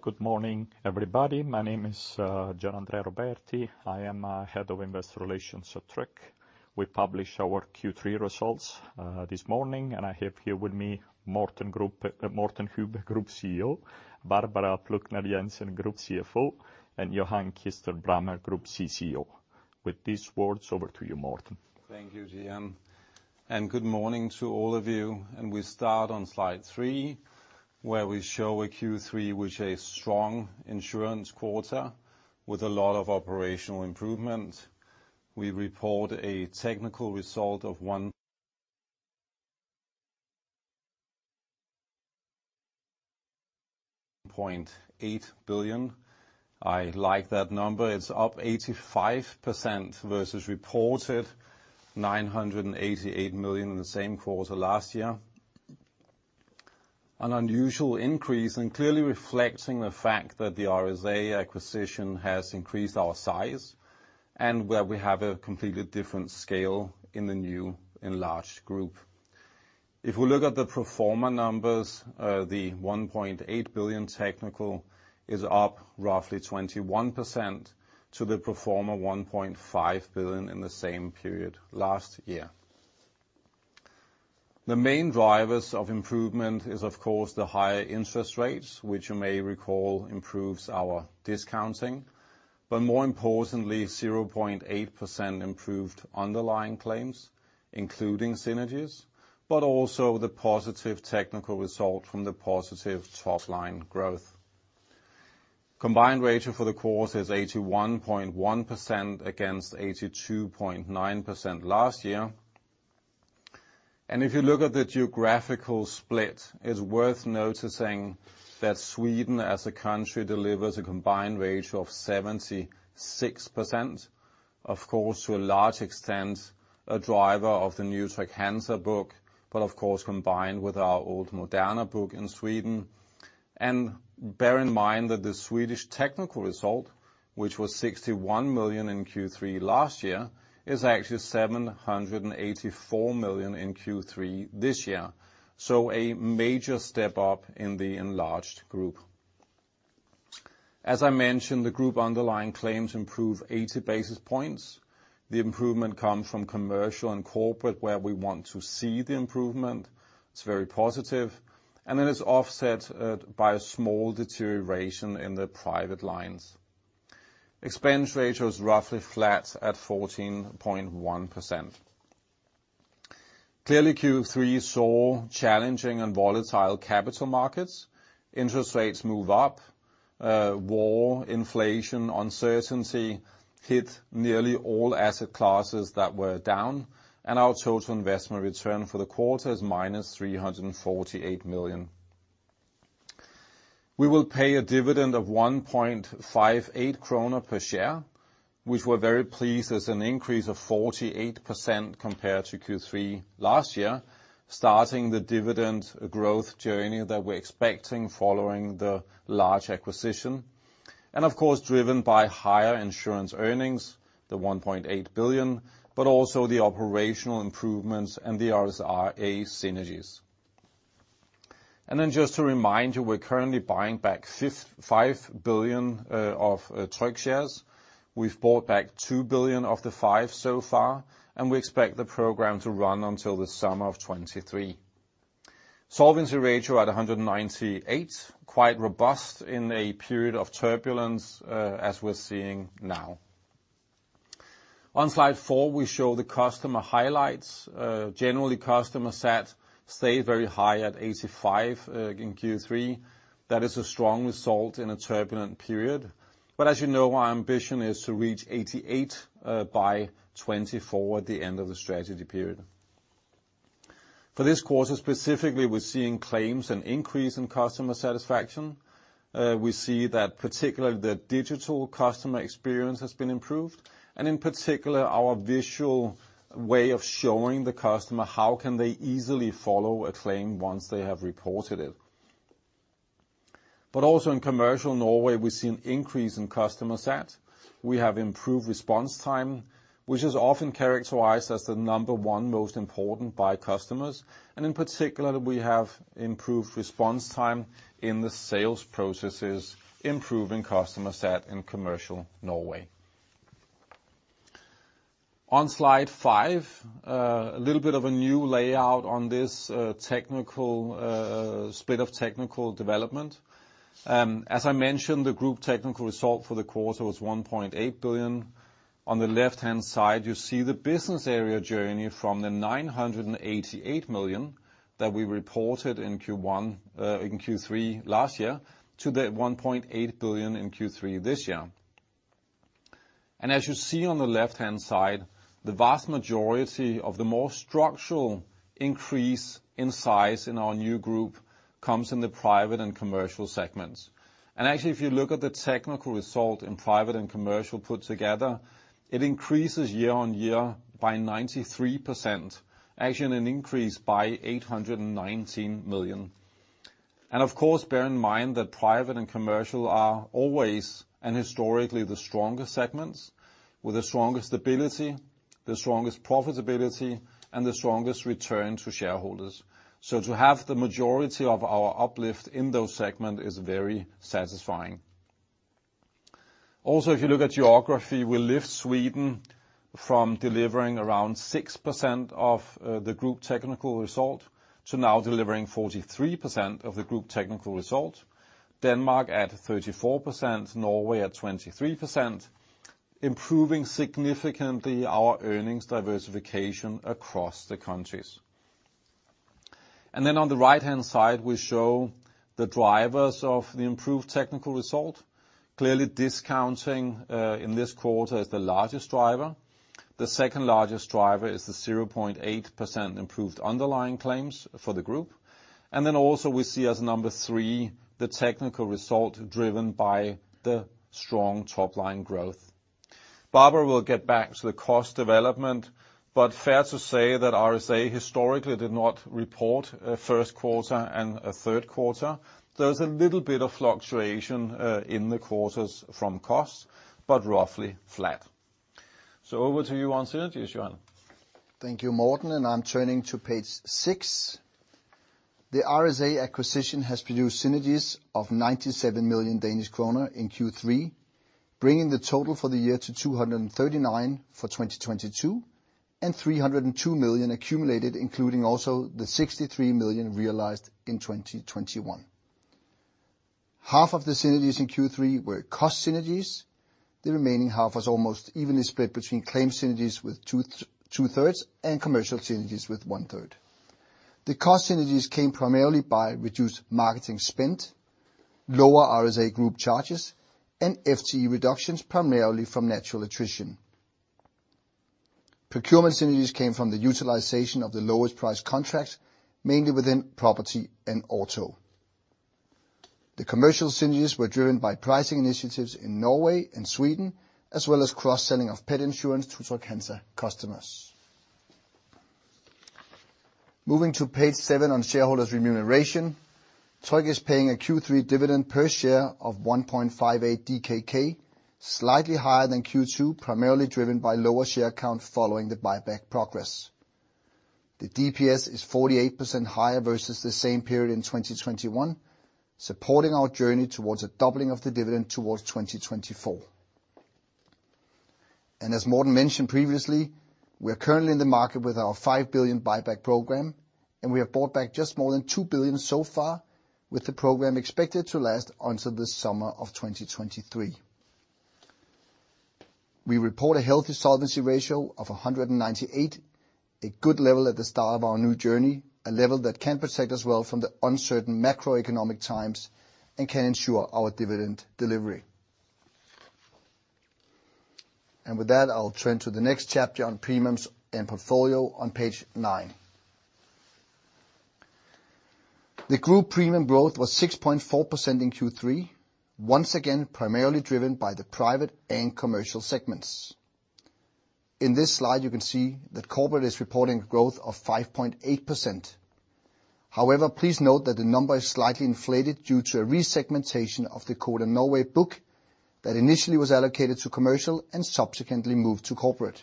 Good morning, everybody. My name is Gianandrea Roberti. I am Head of Investor Relations at Tryg. We published our Q3 results this morning, and I have here with me Morten Hübbe, Group CEO, Barbara Plucnar Jensen, Group CFO, and Johan Kirstein Brammer, Group CCO. With these words, over to you, Morten. Thank you, Gianandrea, and good morning to all of you. We start on slide three, where we show a Q3, which is strong insurance quarter with a lot of operational improvement. We report a technical result of 1.8 billion. I like that number. It's up 85% versus reported 988 million in the same quarter last year. An unusual increase and clearly reflecting the fact that the RSA acquisition has increased our size, and where we have a completely different scale in the new enlarged group. If we look at the pro forma numbers, the 1.8 billion technical is up roughly 21% to the pro forma 1.5 billion in the same period last year. The main drivers of improvement is of course the higher interest rates, which you may recall improves our discounting. More importantly, 0.8% improved underlying claims, including synergies, but also the positive technical result from the positive top-line growth. Combined ratio for the quarter is 81.1% against 82.9% last year. If you look at the geographical split, it's worth noticing that Sweden as a country delivers a combined ratio of 76%, of course, to a large extent a driver of the new Trygg-Hansa book, but of course combined with our old Moderna book in Sweden. Bear in mind that the Swedish technical result, which was 61 million in Q3 last year, is actually 784 million in Q3 this year. A major step up in the enlarged group. As I mentioned, the group underlying claims improve 80 basis points. The improvement comes from commercial and corporate where we want to see the improvement. It's very positive, and it is offset by a small deterioration in the private lines. Expense ratio is roughly flat at 14.1%. Clearly, Q3 saw challenging and volatile capital markets. Interest rates move up, war, inflation, uncertainty hit nearly all asset classes that were down, and our total investment return for the quarter is -348 million. We will pay a dividend of 1.58 kroner per share, which we're very pleased is an increase of 48% compared to Q3 last year, starting the dividend growth journey that we're expecting following the large acquisition, and of course, driven by higher insurance earnings, the 1.8 billion, but also the operational improvements and the RSA synergies. Just to remind you, we're currently buying back 5 billion of Tryg shares. We've bought back 2 billion of the five so far, and we expect the program to run until the summer of 2023. Solvency ratio at 198%, quite robust in a period of turbulence, as we're seeing now. On slide four, we show the customer highlights. Generally, customer sat stayed very high at 85%, in Q3. That is a strong result in a turbulent period. As you know, our ambition is to reach 88%, by 2024 at the end of the strategy period. For this quarter, specifically, we're seeing an increase in customer satisfaction. We see that particularly the digital customer experience has been improved, and in particular, our visual way of showing the customer how can they easily follow a claim once they have reported it. Also in commercial Norway, we've seen increase in customer sat. We have improved response time, which is often characterized as the number one most important by customers. In particular, we have improved response time in the sales processes, improving customer sat in commercial Norway. On slide five, a little bit of a new layout on this, technical, split of technical development. As I mentioned, the group technical result for the quarter was 1.8 billion. On the left-hand side, you see the business area journey from the 988 million that we reported in Q1, in Q3 last year to the 1.8 billion in Q3 this year. As you see on the left-hand side, the vast majority of the more structural increase in size in our new group comes in the private and commercial segments. Actually, if you look at the technical result in private and commercial put together, it increases year on year by 93%, actually an increase by 819 million. Of course, bear in mind that private and commercial are always and historically the strongest segments with the strongest stability. The strongest profitability and the strongest return to shareholders. To have the majority of our uplift in those segment is very satisfying. Also, if you look at geography, we lift Sweden from delivering around 6% of the group technical result to now delivering 43% of the group technical result. Denmark at 34%, Norway at 23%, improving significantly our earnings diversification across the countries. Then on the right-hand side, we show the drivers of the improved technical result. Clearly discounting in this quarter is the largest driver. The second largest driver is the 0.8% improved underlying claims for the group. Also we see as number three, the technical result driven by the strong top line growth. Barbara will get back to the cost development, but fair to say that RSA historically did not report a first quarter and a third quarter. There's a little bit of fluctuation in the quarters from costs, but roughly flat. Over to you on synergies, Johan. Thank you, Morten, and I'm turning to page six. The RSA acquisition has produced synergies of 97 million Danish kroner in Q3, bringing the total for the year to 239 for 2022, and 302 million accumulated, including also the 63 million realized in 2021. Half of the synergies in Q3 were cost synergies. The remaining half was almost evenly split between claim synergies with 2/3 and commercial synergies with 1/3. The cost synergies came primarily by reduced marketing spend, lower RSA group charges, and FTE reductions, primarily from natural attrition. Procurement synergies came from the utilization of the lowest price contracts, mainly within property and auto. The commercial synergies were driven by pricing initiatives in Norway and Sweden, as well as cross-selling of pet insurance to Trygg-Hansa customers. Moving to page seven on shareholders remuneration. Tryg is paying a Q3 dividend per share of 1.58 DKK, slightly higher than Q2, primarily driven by lower share count following the buyback progress. The DPS is 48% higher versus the same period in 2021, supporting our journey towards a doubling of the dividend towards 2024. As Morten mentioned previously, we are currently in the market with our 5 billion buyback program, and we have bought back just more than 2 billion so far, with the program expected to last until the summer of 2023. We report a healthy solvency ratio of 198, a good level at the start of our new journey, a level that can protect us well from the uncertain macroeconomic times and can ensure our dividend delivery. With that, I'll turn to the next chapter on premiums and portfolio on page nine. The group premium growth was 6.4% in Q3, once again, primarily driven by the private and commercial segments. In this slide, you can see that corporate is reporting growth of 5.8%. However, please note that the number is slightly inflated due to a resegmentation of the Codan Norway book that initially was allocated to commercial and subsequently moved to corporate.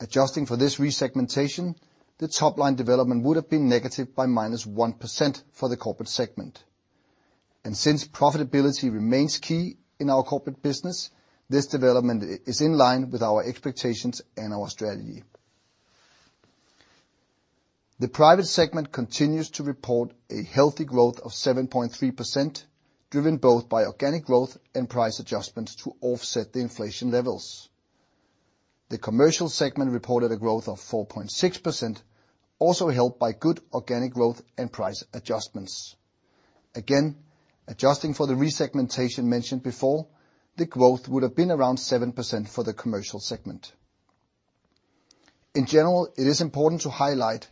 Adjusting for this resegmentation, the top line development would have been negative by -1% for the corporate segment. Since profitability remains key in our corporate business, this development is in line with our expectations and our strategy. The private segment continues to report a healthy growth of 7.3%, driven both by organic growth and price adjustments to offset the inflation levels. The commercial segment reported a growth of 4.6%, also helped by good organic growth and price adjustments. Again, adjusting for the resegmentation mentioned before, the growth would have been around 7% for the commercial segment. In general, it is important to highlight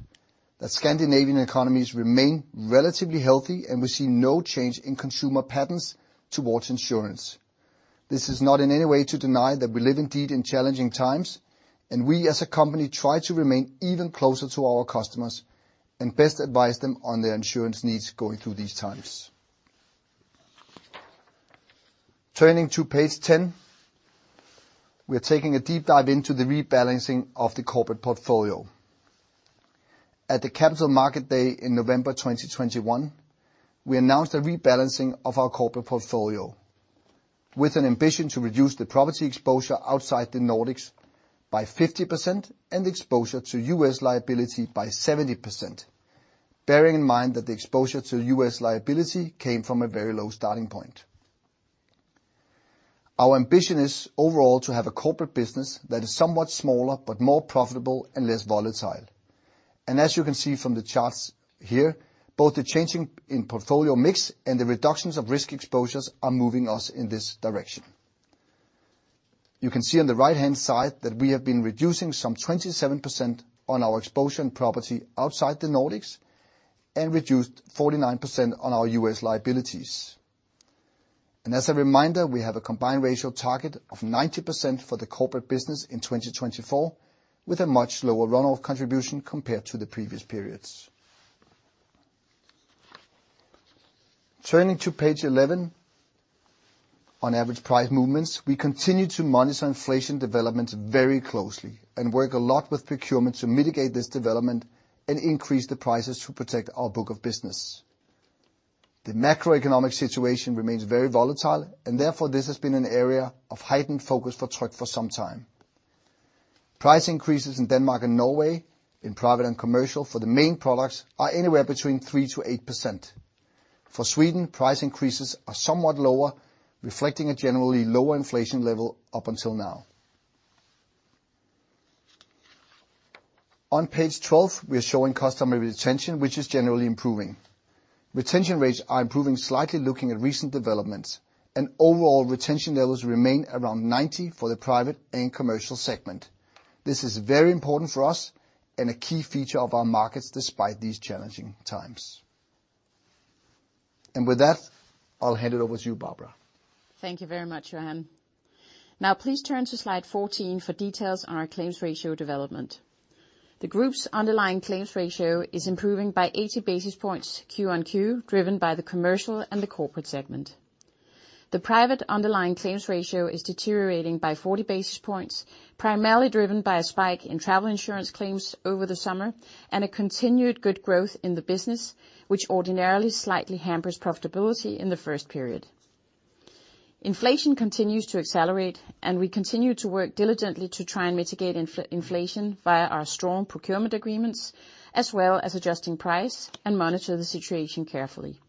that Scandinavian economies remain relatively healthy, and we see no change in consumer patterns towards insurance. This is not in any way to deny that we live indeed in challenging times, and we as a company try to remain even closer to our customers and best advise them on their insurance needs going through these times. Turning to page 10, we're taking a deep dive into the rebalancing of the corporate portfolio. At the Capital Markets Day in November 2021, we announced a rebalancing of our corporate portfolio with an ambition to reduce the property exposure outside the Nordics by 50% and exposure to U.S. liability by 70%, bearing in mind that the exposure to U.S. liability came from a very low starting point. Our ambition is overall to have a corporate business that is somewhat smaller but more profitable and less volatile. As you can see from the charts here, both the change in portfolio mix and the reductions of risk exposures are moving us in this direction. You can see on the right-hand side that we have been reducing some 27% on our exposure to property outside the Nordics and reduced 49% on our U.S. liabilities. As a reminder, we have a combined ratio target of 90% for the corporate business in 2024, with a much lower run-off contribution compared to the previous periods. Turning to page 11 on average price movements, we continue to monitor inflation developments very closely and work a lot with procurement to mitigate this development and increase the prices to protect our book of business. The macroeconomic situation remains very volatile, and therefore, this has been an area of heightened focus for Tryg for some time. Price increases in Denmark and Norway in private and commercial for the main products are anywhere between 3%-8%. For Sweden, price increases are somewhat lower, reflecting a generally lower inflation level up until now. On page 12, we are showing customer retention, which is generally improving. Retention rates are improving slightly looking at recent developments, and overall retention levels remain around 90% for the private and commercial segment. This is very important for us and a key feature of our markets despite these challenging times. With that, I'll hand it over to you, Barbara. Thank you very much, Johan. Now please turn to slide 14 for details on our claims ratio development. The group's underlying claims ratio is improving by 80 basis points Q-on-Q, driven by the commercial and the corporate segment. The private underlying claims ratio is deteriorating by 40 basis points, primarily driven by a spike in travel insurance claims over the summer and a continued good growth in the business, which ordinarily slightly hampers profitability in the first period. Inflation continues to accelerate, and we continue to work diligently to try and mitigate inflation via our strong procurement agreements, as well as adjusting price and monitor the situation carefully.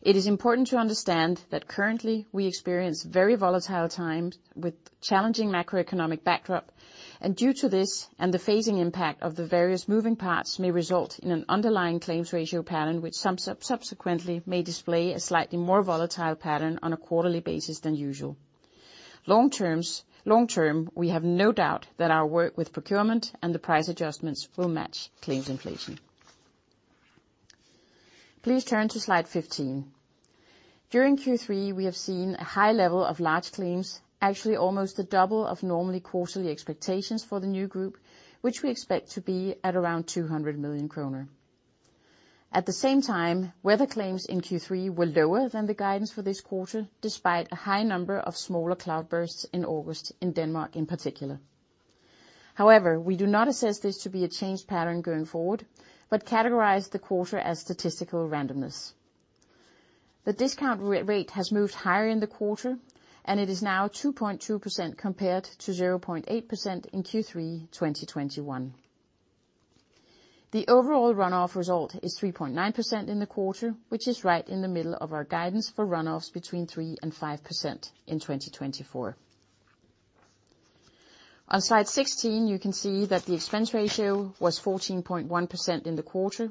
It is important to understand that currently we experience very volatile times with challenging macroeconomic backdrop, and due to this and the phasing impact of the various moving parts may result in an underlying claims ratio pattern which subsequently may display a slightly more volatile pattern on a quarterly basis than usual. Long term, we have no doubt that our work with procurement and the price adjustments will match claims inflation. Please turn to slide 15. During Q3, we have seen a high level of large claims, actually almost double the normal quarterly expectations for the new group, which we expect to be at around 200 million kroner. At the same time, weather claims in Q3 were lower than the guidance for this quarter, despite a high number of smaller cloudbursts in August in Denmark in particular. However, we do not assess this to be a changed pattern going forward, but categorize the quarter as statistical randomness. The discount rate has moved higher in the quarter, and it is now 2.2% compared to 0.8% in Q3 2021. The overall runoff result is 3.9% in the quarter, which is right in the middle of our guidance for runoffs between 3%-5% in 2024. On slide 16, you can see that the expense ratio was 14.1% in the quarter,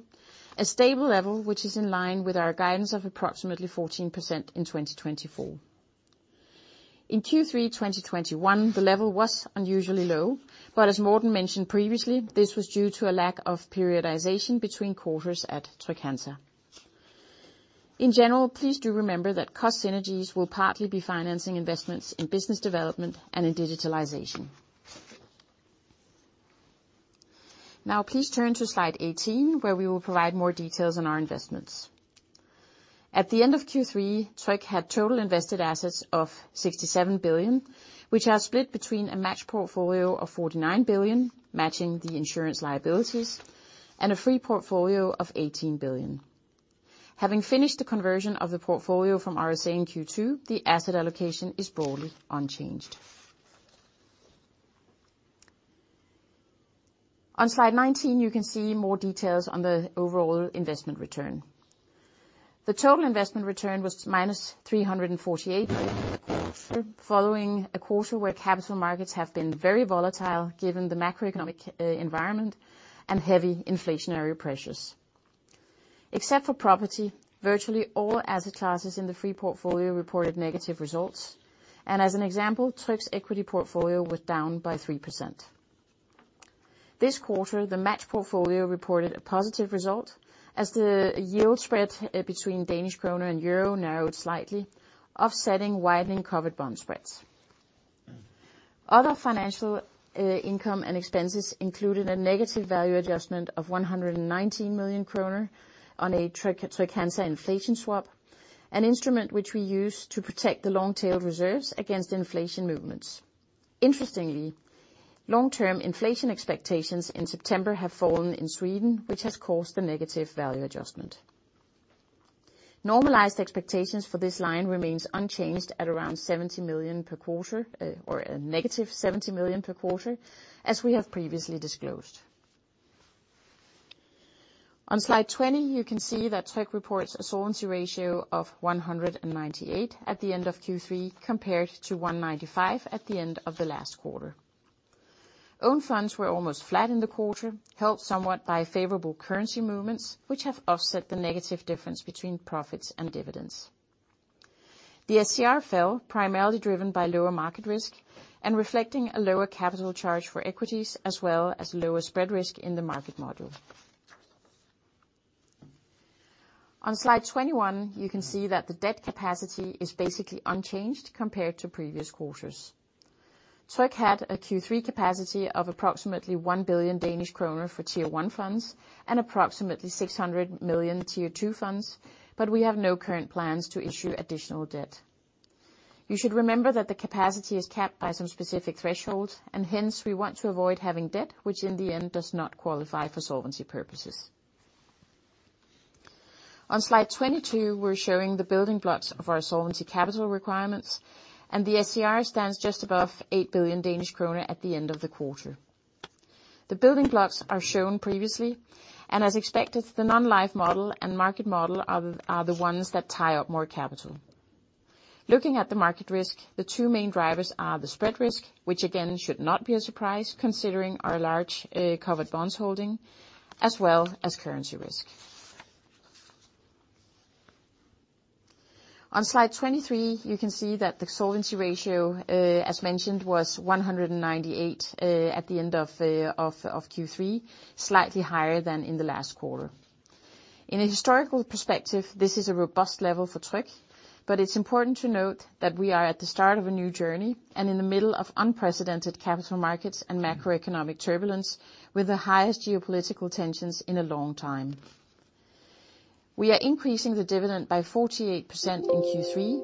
a stable level which is in line with our guidance of approximately 14% in 2024. In Q3 2021, the level was unusually low, but as Morten mentioned previously, this was due to a lack of periodization between quarters at Trygg-Hansa. In general, please do remember that cost synergies will partly be financing investments in business development and in digitalization. Now please turn to slide 18, where we will provide more details on our investments. At the end of Q3, Tryg had total invested assets of 67 billion, which are split between a matched portfolio of 49 billion, matching the insurance liabilities, and a free portfolio of 18 billion. Having finished the conversion of the portfolio from RSA in Q2, the asset allocation is broadly unchanged. On slide 19, you can see more details on the overall investment return. The total investment return was -348 following a quarter where capital markets have been very volatile given the macroeconomic environment and heavy inflationary pressures. Except for property, virtually all asset classes in the free portfolio reported negative results, and as an example, Tryg's equity portfolio was down 3%. This quarter, the matched portfolio reported a positive result as the yield spread between Danish kroner and euro narrowed slightly, offsetting widening covered bond spreads. Other financial income and expenses included a negative value adjustment of 119 million kroner on a Trygg-Hansa inflation swap, an instrument which we use to protect the long-tailed reserves against inflation movements. Interestingly, long-term inflation expectations in September have fallen in Sweden, which has caused the negative value adjustment. Normalized expectations for this line remains unchanged at around 70 million per quarter, or a negative 70 million per quarter, as we have previously disclosed. On slide 20, you can see that Tryg reports a solvency ratio of 198 at the end of Q3, compared to 195 at the end of the last quarter. Own funds were almost flat in the quarter, helped somewhat by favorable currency movements, which have offset the negative difference between profits and dividends. The SCR fell primarily driven by lower market risk and reflecting a lower capital charge for equities as well as lower spread risk in the market model. On slide 21, you can see that the debt capacity is basically unchanged compared to previous quarters. Tryg had a Q3 capacity of approximately 1 billion Danish kroner for Tier 1 funds and approximately 600 million Tier 2 funds, but we have no current plans to issue additional debt. You should remember that the capacity is capped by some specific thresholds, and hence we want to avoid having debt, which in the end does not qualify for solvency purposes. On slide 22, we're showing the building blocks of our solvency capital requirements, and the SCR stands just above 8 billion Danish kroner at the end of the quarter. The building blocks are shown previously, and as expected, the non-life model and market model are the ones that tie up more capital. Looking at the market risk, the two main drivers are the spread risk, which again should not be a surprise considering our large covered bond holding, as well as currency risk. On slide 23, you can see that the solvency ratio, as mentioned, was 198% at the end of Q3, slightly higher than in the last quarter. In a historical perspective, this is a robust level for Tryg, but it's important to note that we are at the start of a new journey and in the middle of unprecedented capital markets and macroeconomic turbulence with the highest geopolitical tensions in a long time. We are increasing the dividend by 48% in Q3,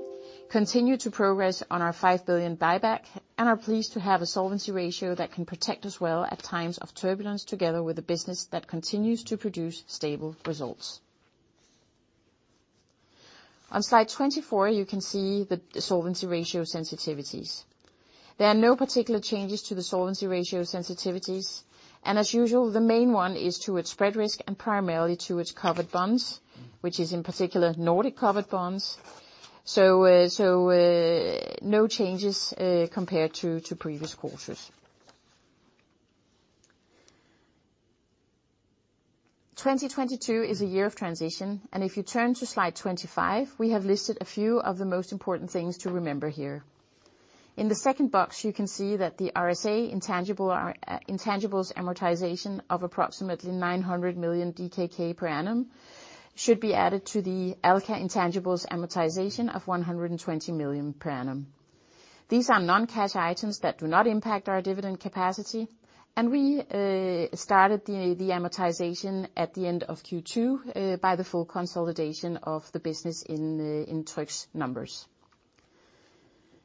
continue to progress on our 5 billion buyback and are pleased to have a solvency ratio that can protect us well at times of turbulence together with a business that continues to produce stable results. On slide 24, you can see the solvency ratio sensitivities. There are no particular changes to the solvency ratio sensitivities, and as usual, the main one is to its spread risk and primarily to its covered bonds, which is in particular Nordic covered bonds. No changes compared to previous quarters. 2022 is a year of transition, and if you turn to slide 25, we have listed a few of the most important things to remember here. In the second box, you can see that the RSA intangibles amortization of approximately 900 million DKK per annum should be added to the Alka intangibles amortization of 120 million per annum. These are non-cash items that do not impact our dividend capacity, and we started the amortization at the end of Q2 by the full consolidation of the business in Tryg's numbers.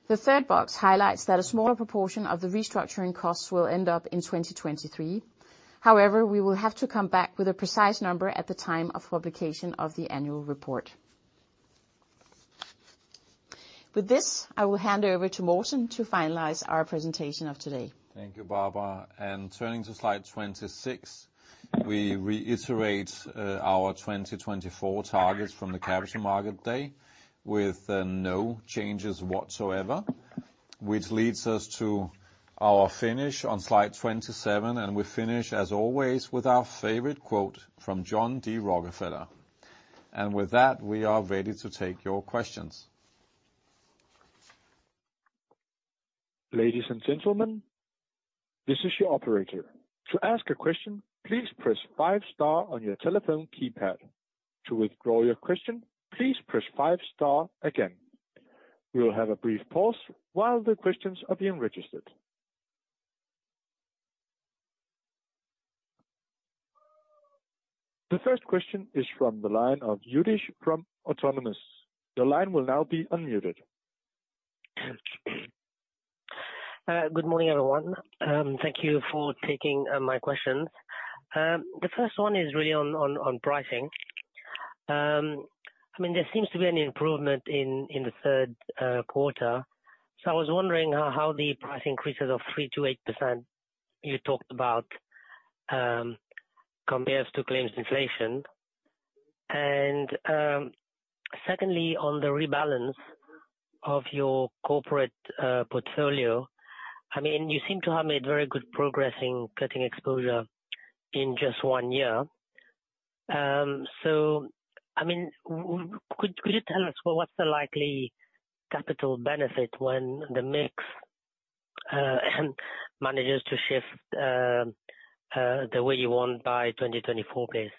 The third box highlights that a smaller proportion of the restructuring costs will end up in 2023. However, we will have to come back with a precise number at the time of publication of the annual report. With this, I will hand over to Morten to finalize our presentation of today. Thank you, Barbara. Turning to slide 26, we reiterate our 2024 targets from the Capital Markets Day with no changes whatsoever, which leads us to our finish on slide 27, and we finish, as always, with our favorite quote from John D. Rockefeller. With that, we are ready to take your questions. Ladies and gentlemen, this is your operator. To ask a question, please press five star on your telephone keypad. To withdraw your question, please press five star again. We will have a brief pause while the questions are being registered. The first question is from the line of Youdish from Autonomous Research. Your line will now be unmuted. Good morning, everyone. Thank you for taking my questions. The first one is really on pricing. I mean, there seems to be an improvement in the third quarter. I was wondering how the price increases of 3%-8% you talked about compares to claims inflation. Secondly, on the rebalance of your corporate portfolio, I mean, you seem to have made very good progress in cutting exposure in just one year. I mean, could you tell us what's the likely capital benefit when the mix manages to shift the way you want by 2024, please?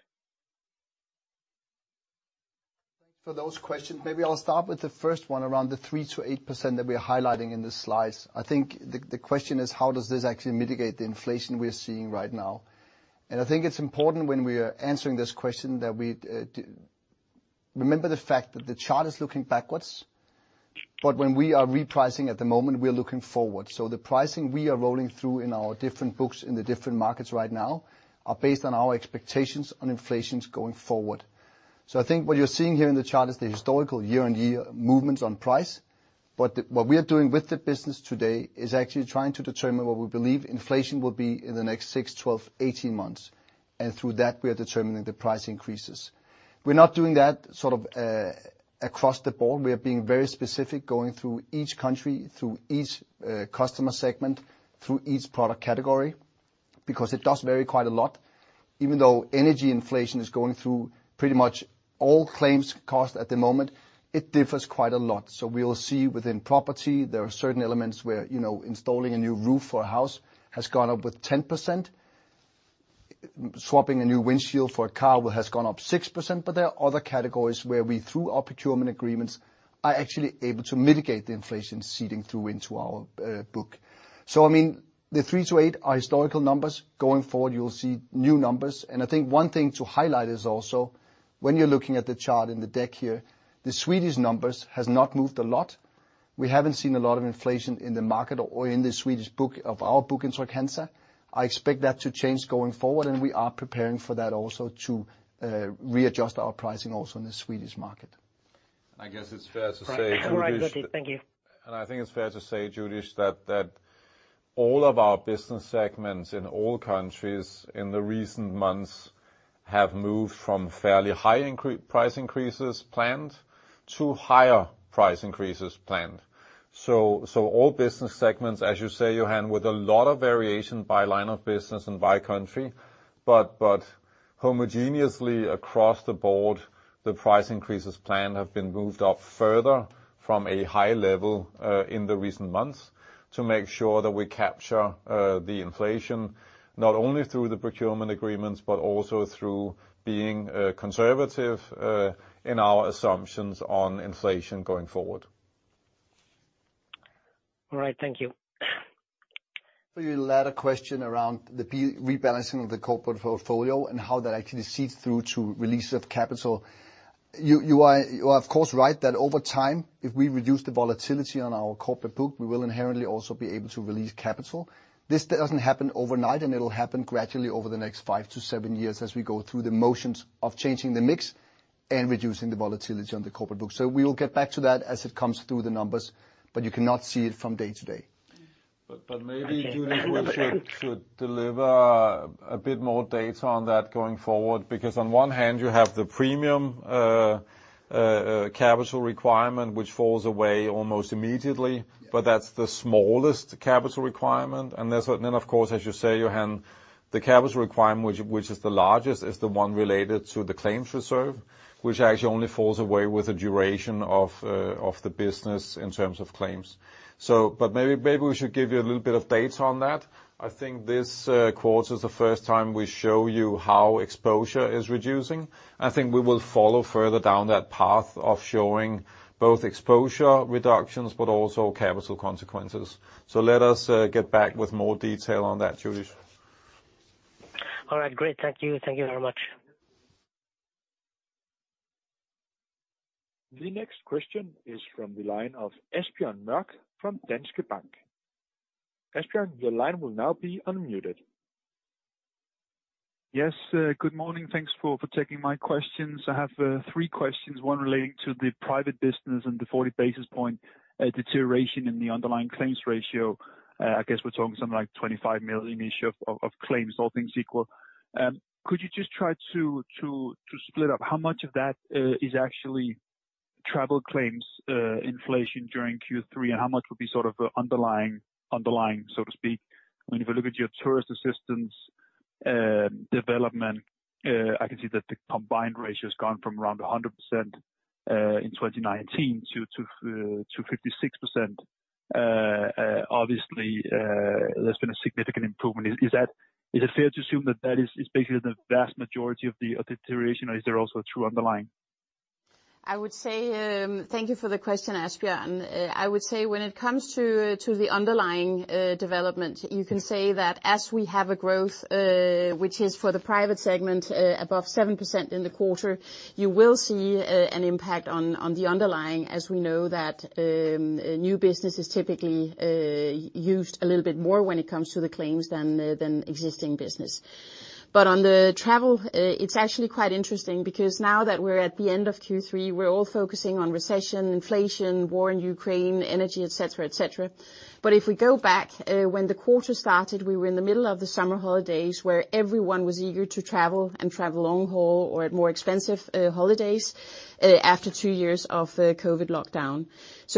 For those questions, maybe I'll start with the first one around the 3%-8% that we're highlighting in the slides. I think the question is how does this actually mitigate the inflation we're seeing right now? I think it's important when we are answering this question that we remember the fact that the chart is looking backwards, but when we are repricing at the moment, we are looking forward. The pricing we are rolling through in our different books in the different markets right now are based on our expectations on inflations going forward. I think what you're seeing here in the chart is the historical year-on-year movements on price. What we are doing with the business today is actually trying to determine what we believe inflation will be in the next six, 12, 18 months. Through that, we are determining the price increases. We're not doing that sort of across the board. We are being very specific, going through each country, through each customer segment, through each product category, because it does vary quite a lot. Even though energy inflation is going through pretty much all claims cost at the moment, it differs quite a lot. We'll see within property, there are certain elements where, you know, installing a new roof for a house has gone up with 10%. Swapping a new windshield for a car has gone up 6%, but there are other categories where we, through our procurement agreements, are actually able to mitigate the inflation seeping through into our book. I mean, the 3%-8% are historical numbers. Going forward, you will see new numbers. I think one thing to highlight is also when you're looking at the chart in the deck here, the Swedish numbers has not moved a lot. We haven't seen a lot of inflation in the market or in the Swedish book of our book in Trygg-Hansa. I expect that to change going forward, and we are preparing for that also to readjust our pricing also in the Swedish market. I guess it's fair to say. All right. Thank you. I think it's fair to say, Youdish, that all of our business segments in all countries in the recent months have moved from fairly high price increases planned to higher price increases planned. So all business segments, as you say, Johan, with a lot of variation by line of business and by country, but homogeneously across the board, the price increases planned have been moved up further from a high level in the recent months to make sure that we capture the inflation, not only through the procurement agreements, but also through being conservative in our assumptions on inflation going forward. All right. Thank you. For your latter question around the rebalancing of the corporate portfolio and how that actually feeds through to release of capital. You are of course right that over time, if we reduce the volatility on our corporate book, we will inherently also be able to release capital. This doesn't happen overnight, and it'll happen gradually over the next five-seven years as we go through the motions of changing the mix and reducing the volatility on the corporate book. We will get back to that as it comes through the numbers, but you cannot see it from day to day. Okay. Thank you. Maybe, Johan, we should deliver a bit more data on that going forward, because on one hand you have the premium capital requirement which falls away almost immediately. That's the smallest capital requirement. Then of course, as you say, Johan, the capital requirement which is the largest, is the one related to the claims reserve, which actually only falls away with the duration of the business in terms of claims. But maybe we should give you a little bit of data on that. I think this quarter's the first time we show you how exposure is reducing. I think we will follow further down that path of showing both exposure reductions but also capital consequences. Let us get back with more detail on that, Youdish. All right. Great. Thank you. Thank you very much. The next question is from the line of Asbjørn Mørk from Danske Bank. Asbjørn, your line will now be unmuted. Yes. Good morning. Thanks for taking my questions. I have three questions, one relating to the private business and the 40 basis point deterioration in the underlying claims ratio. I guess we're talking something like 25 million ish of claims, all things equal. Could you just try to split up how much of that is actually travel claims inflation during Q3, and how much would be sort of underlying, so to speak? I mean, if I look at your travel insurance development, I can see that the combined ratio has gone from around 100% in 2019 to 56%. Obviously, there's been a significant improvement. Is it fair to assume that that is basically the vast majority of the deterioration, or is there also true underlying? I would say, thank you for the question, Asbjørn. I would say when it comes to the underlying development, you can say that as we have a growth which is for the private segment above 7% in the quarter, you will see an impact on the underlying as we know that new business is typically used a little bit more when it comes to the claims than existing business. On the travel, it's actually quite interesting because now that we're at the end of Q3, we're all focusing on recession, inflation, war in Ukraine, energy, et cetera, et cetera. If we go back, when the quarter started, we were in the middle of the summer holidays, where everyone was eager to travel and travel long haul or at more expensive holidays after two years of COVID lockdown.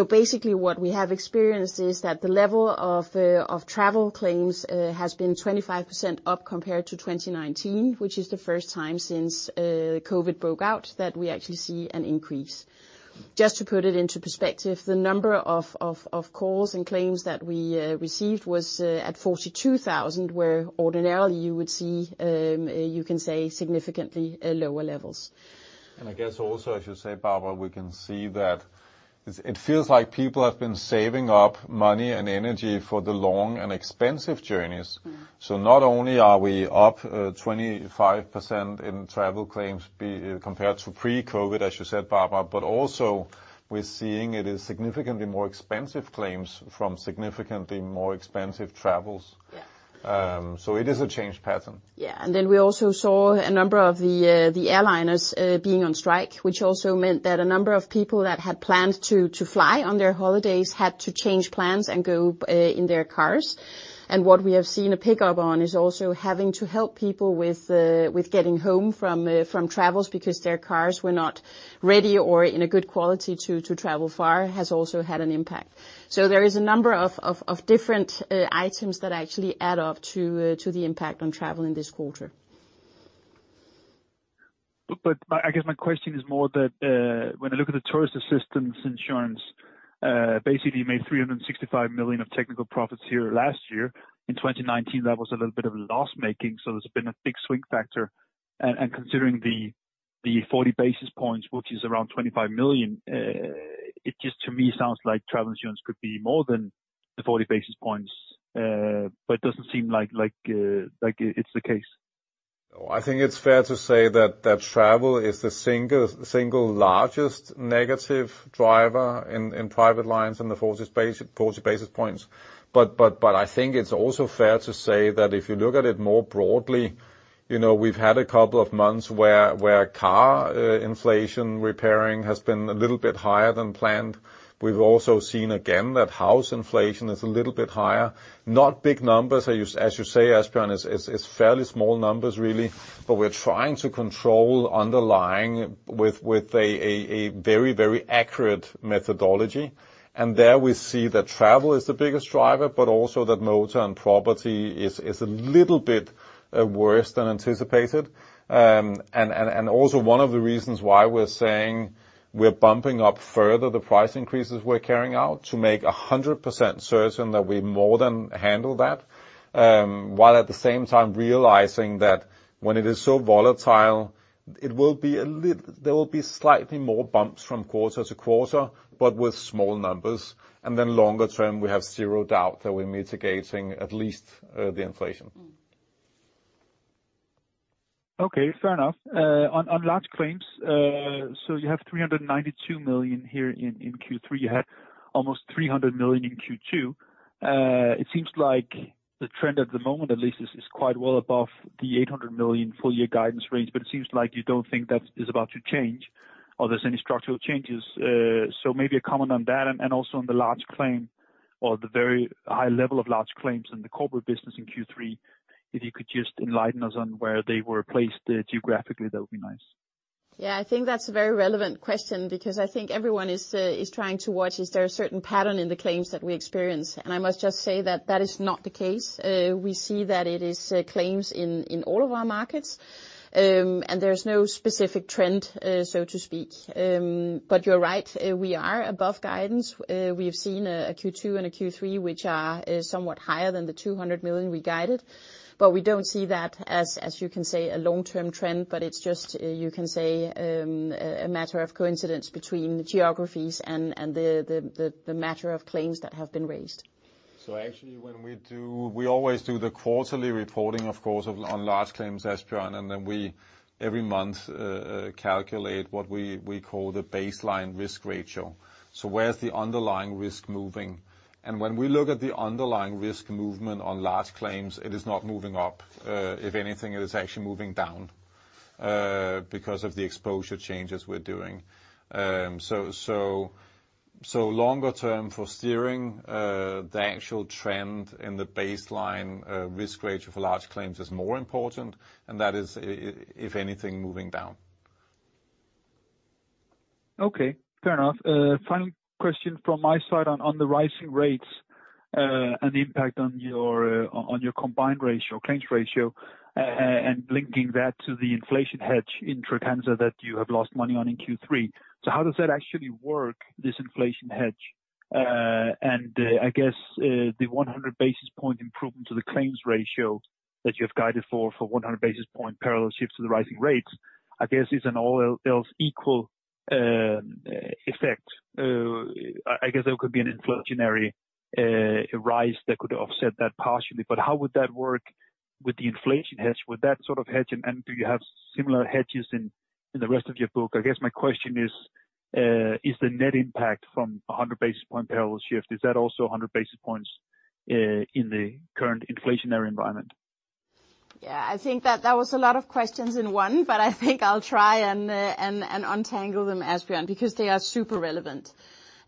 Basically what we have experienced is that the level of travel claims has been 25% up compared to 2019, which is the first time since COVID broke out that we actually see an increase. Just to put it into perspective, the number of calls and claims that we received was at 42,000, where ordinarily you would see, you can say significantly lower levels. I guess also I should say, Barbara, we can see that it feels like people have been saving up money and energy for the long and expensive journeys. Mm-hmm. Not only are we up 25% in travel claims compared to pre-COVID, as you said, Barbara, but also we're seeing it is significantly more expensive claims from significantly more expensive travels. Yeah. It is a changed pattern. Yeah. Then we also saw a number of the airlines being on strike, which also meant that a number of people that had planned to fly on their holidays had to change plans and go in their cars. What we have seen a pickup on is also having to help people with getting home from travels because their cars were not ready or in a good quality to travel far has also had an impact. There is a number of different items that actually add up to the impact on travel in this quarter. I guess my question is more that when I look at the tourist assistant insurance, basically you made 365 million of technical profits here last year. In 2019 that was a little bit of a loss-making, so there's been a big swing factor. Considering the 40 basis points, which is around 25 million, it just to me sounds like travel insurance could be more than the 40 basis points, but it doesn't seem like it's the case. No, I think it's fair to say that travel is the single largest negative driver in private lines in the 40 basis points. I think it's also fair to say that if you look at it more broadly, you know, we've had a couple of months where car repair inflation has been a little bit higher than planned. We've also seen again that house inflation is a little bit higher. Not big numbers, as you say, Asbjørn, it's fairly small numbers really. We're trying to control underlying with a very accurate methodology. There we see that travel is the biggest driver, but also that motor and property is a little bit worse than anticipated. Also one of the reasons why we're saying we're bumping up further the price increases we're carrying out to make 100% certain that we more than handle that. While at the same time realizing that when it is so volatile, there will be slightly more bumps from quarter to quarter, but with small numbers. Then longer term, we have zero doubt that we're mitigating at least the inflation. Okay, fair enough. On large claims, so you have 392 million here in Q3. You had almost 300 million in Q2. It seems like the trend at the moment at least is quite well above the 800 million full year guidance range, but it seems like you don't think that is about to change or there's any structural changes. So maybe a comment on that and also on the large claim or the very high level of large claims in the corporate business in Q3. If you could just enlighten us on where they were placed geographically, that would be nice? Yeah, I think that's a very relevant question because I think everyone is trying to watch, is there a certain pattern in the claims that we experience. I must just say that is not the case. We see that it is claims in all of our markets. There's no specific trend, so to speak. You're right, we are above guidance. We've seen a Q2 and a Q3 which is somewhat higher than the 200 million we guided. We don't see that as you can say a long-term trend, but it's just you can say a matter of coincidence between geographies and the matter of claims that have been raised. Actually, when we do, we always do the quarterly reporting, of course, on large claims, Asbjørn Mørk, and then we every month calculate what we call the baseline risk ratio. Where's the underlying risk moving? When we look at the underlying risk movement on large claims, it is not moving up. If anything, it is actually moving down because of the exposure changes we're doing. Longer term for steering, the actual trend in the baseline risk ratio for large claims is more important, and that is, if anything, moving down. Okay, fair enough. Final question from my side on the rising rates and the impact on your combined ratio, claims ratio, and linking that to the inflation hedge in Tryg that you have lost money on in Q3. How does that actually work, this inflation hedge? I guess the 100 basis point improvement to the claims ratio that you have guided for 100 basis point parallel shifts to the rising rates. I guess is an all else equal effect. I guess there could be an inflationary rise that could offset that partially. How would that work with the inflation hedge? Would that sort of hedge and do you have similar hedges in the rest of your book? I guess my question is the net impact from a 100 basis point parallel shift, is that also 100 basis points, in the current inflationary environment? Yeah. I think that was a lot of questions in one, but I think I'll try and untangle them, Asbjørn Mørk, because they are super relevant.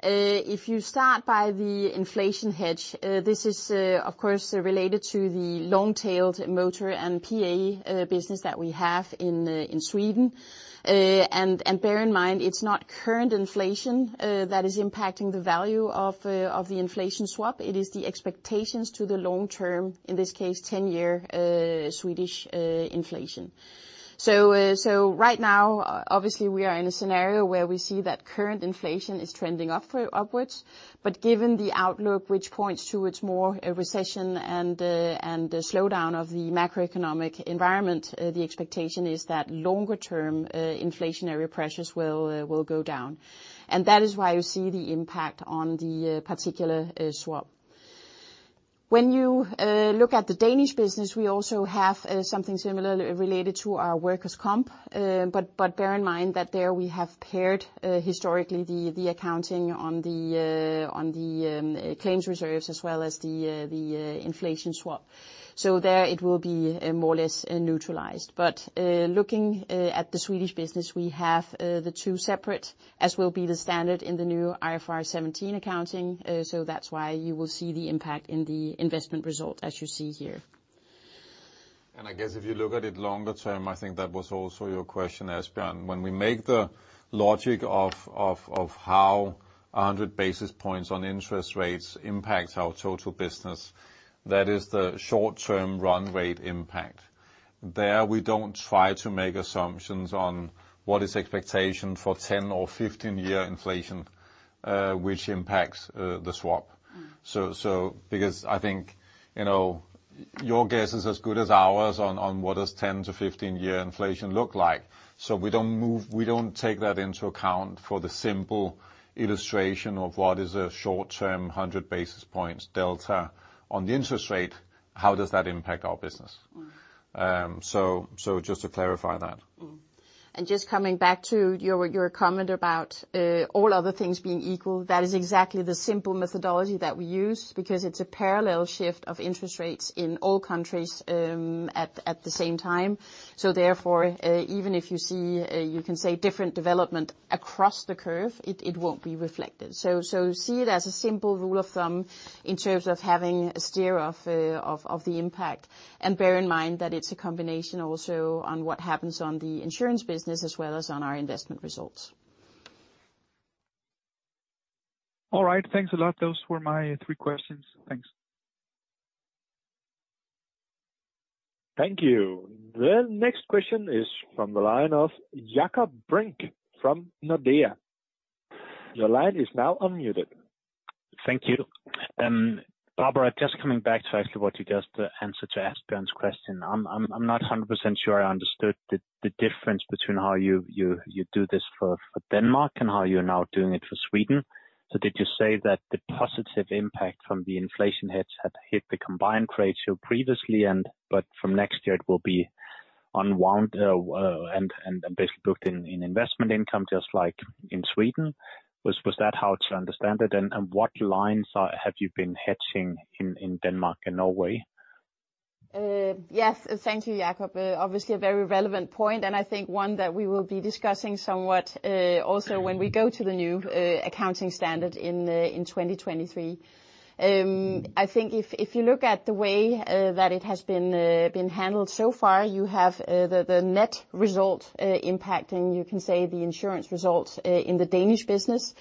If you start by the inflation hedge, this is, of course, related to the long-tailed motor and PA business that we have in Sweden. Bear in mind, it's not current inflation that is impacting the value of the inflation swap, it is the expectations to the long term, in this case, 10-year Swedish inflation. Right now, obviously, we are in a scenario where we see that current inflation is trending up, upwards. Given the outlook, which points to it's more a recession and a slowdown of the macroeconomic environment, the expectation is that longer term, inflationary pressures will go down. That is why you see the impact on the particular swap. When you look at the Danish business, we also have something similar related to our workers' comp. But bear in mind that there we have paired historically the accounting on the claims reserves as well as the inflation swap. There it will be more or less neutralized. looking at the Swedish business, we have the two separate, as will be the standard in the new IFRS 17 accounting, so that's why you will see the impact in the investment result as you see here. I guess if you look at it longer term, I think that was also your question, Asbjørn. When we make the logic of how 100 basis points on interest rates impacts our total business, that is the short-term run rate impact. There we don't try to make assumptions on what is expectation for 10- or 15-year inflation, which impacts the swap. Because I think, you know, your guess is as good as ours on what does 10- to 15-year inflation look like. We don't move, we don't take that into account for the simple illustration of what is a short-term 100 basis points delta on the interest rate, how does that impact our business? Just to clarify that. Just coming back to your comment about all other things being equal, that is exactly the simple methodology that we use because it's a parallel shift of interest rates in all countries at the same time. Therefore, even if you see, you can say different development across the curve, it won't be reflected. See it as a simple rule of thumb in terms of having a steer of the impact. Bear in mind that it's a combination also on what happens on the insurance business as well as on our investment results. All right. Thanks a lot. Those were my three questions. Thanks. Thank you. The next question is from the line of Jakob Brink from Nordea. Your line is now unmuted. Thank you. Barbara, just coming back to actually what you just answered to Asbjørn's question. I'm not 100% sure I understood the difference between how you do this for Denmark and how you're now doing it for Sweden. Did you say that the positive impact from the inflation hedge had hit the combined ratio previously, but from next year it will be unwound and basically booked in investment income, just like in Sweden? Was that how to understand it? What lines have you been hedging in Denmark and Norway? Yes. Thank you, Jakob. Obviously a very relevant point, and I think one that we will be discussing somewhat also when we go to the new accounting standard in 2023. I think if you look at the way that it has been handled so far, you have the net result impacting, you can say the insurance results in the Danish business.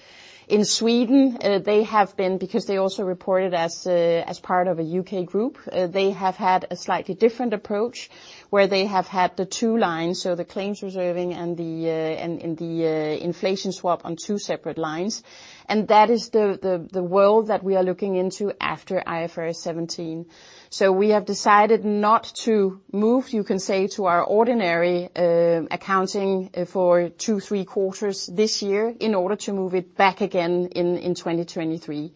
In Sweden, they have been because they also reported as part of a UK group, they have had a slightly different approach where they have had the two lines, so the claims reserving and the inflation swap on two separate lines. That is the world that we are looking into after IFRS 17. We have decided not to move, you can say, to our ordinary accounting for two, three quarters this year in order to move it back again in 2023.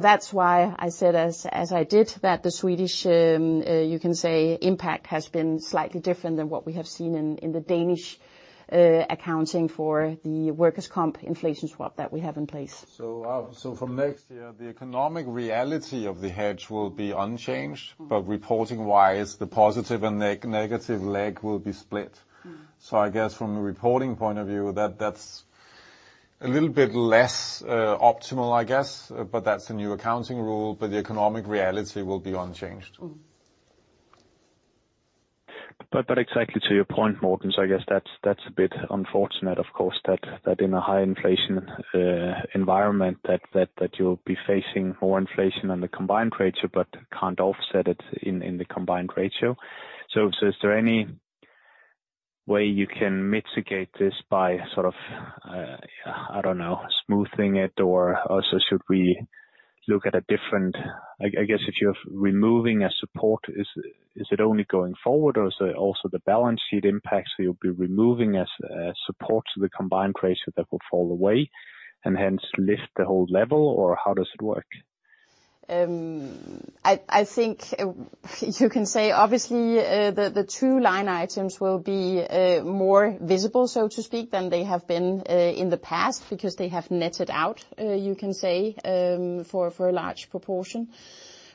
That's why I said as I did that the Swedish, you can say impact has been slightly different than what we have seen in the Danish accounting for the workers' compensation inflation swap that we have in place. From next year, the economic reality of the hedge will be unchanged. Mm. Reporting-wise, the positive and negative leg will be split. Mm. I guess from a reporting point of view, that that's a little bit less optimal, I guess. That's a new accounting rule. The economic reality will be unchanged. Mm. Exactly to your point, Morten, so I guess that's a bit unfortunate of course that in a high inflation environment that you'll be facing more inflation on the combined ratio but can't offset it in the combined ratio. Is there any way you can mitigate this by sort of, I don't know, smoothing it? I guess if you're removing a support, is it only going forward or is there also the balance sheet impact, so you'll be removing a support to the combined ratio that will fall away and hence lift the whole level? How does it work? I think you can say obviously, the two line items will be more visible, so to speak, than they have been in the past because they have netted out, you can say, for a large proportion.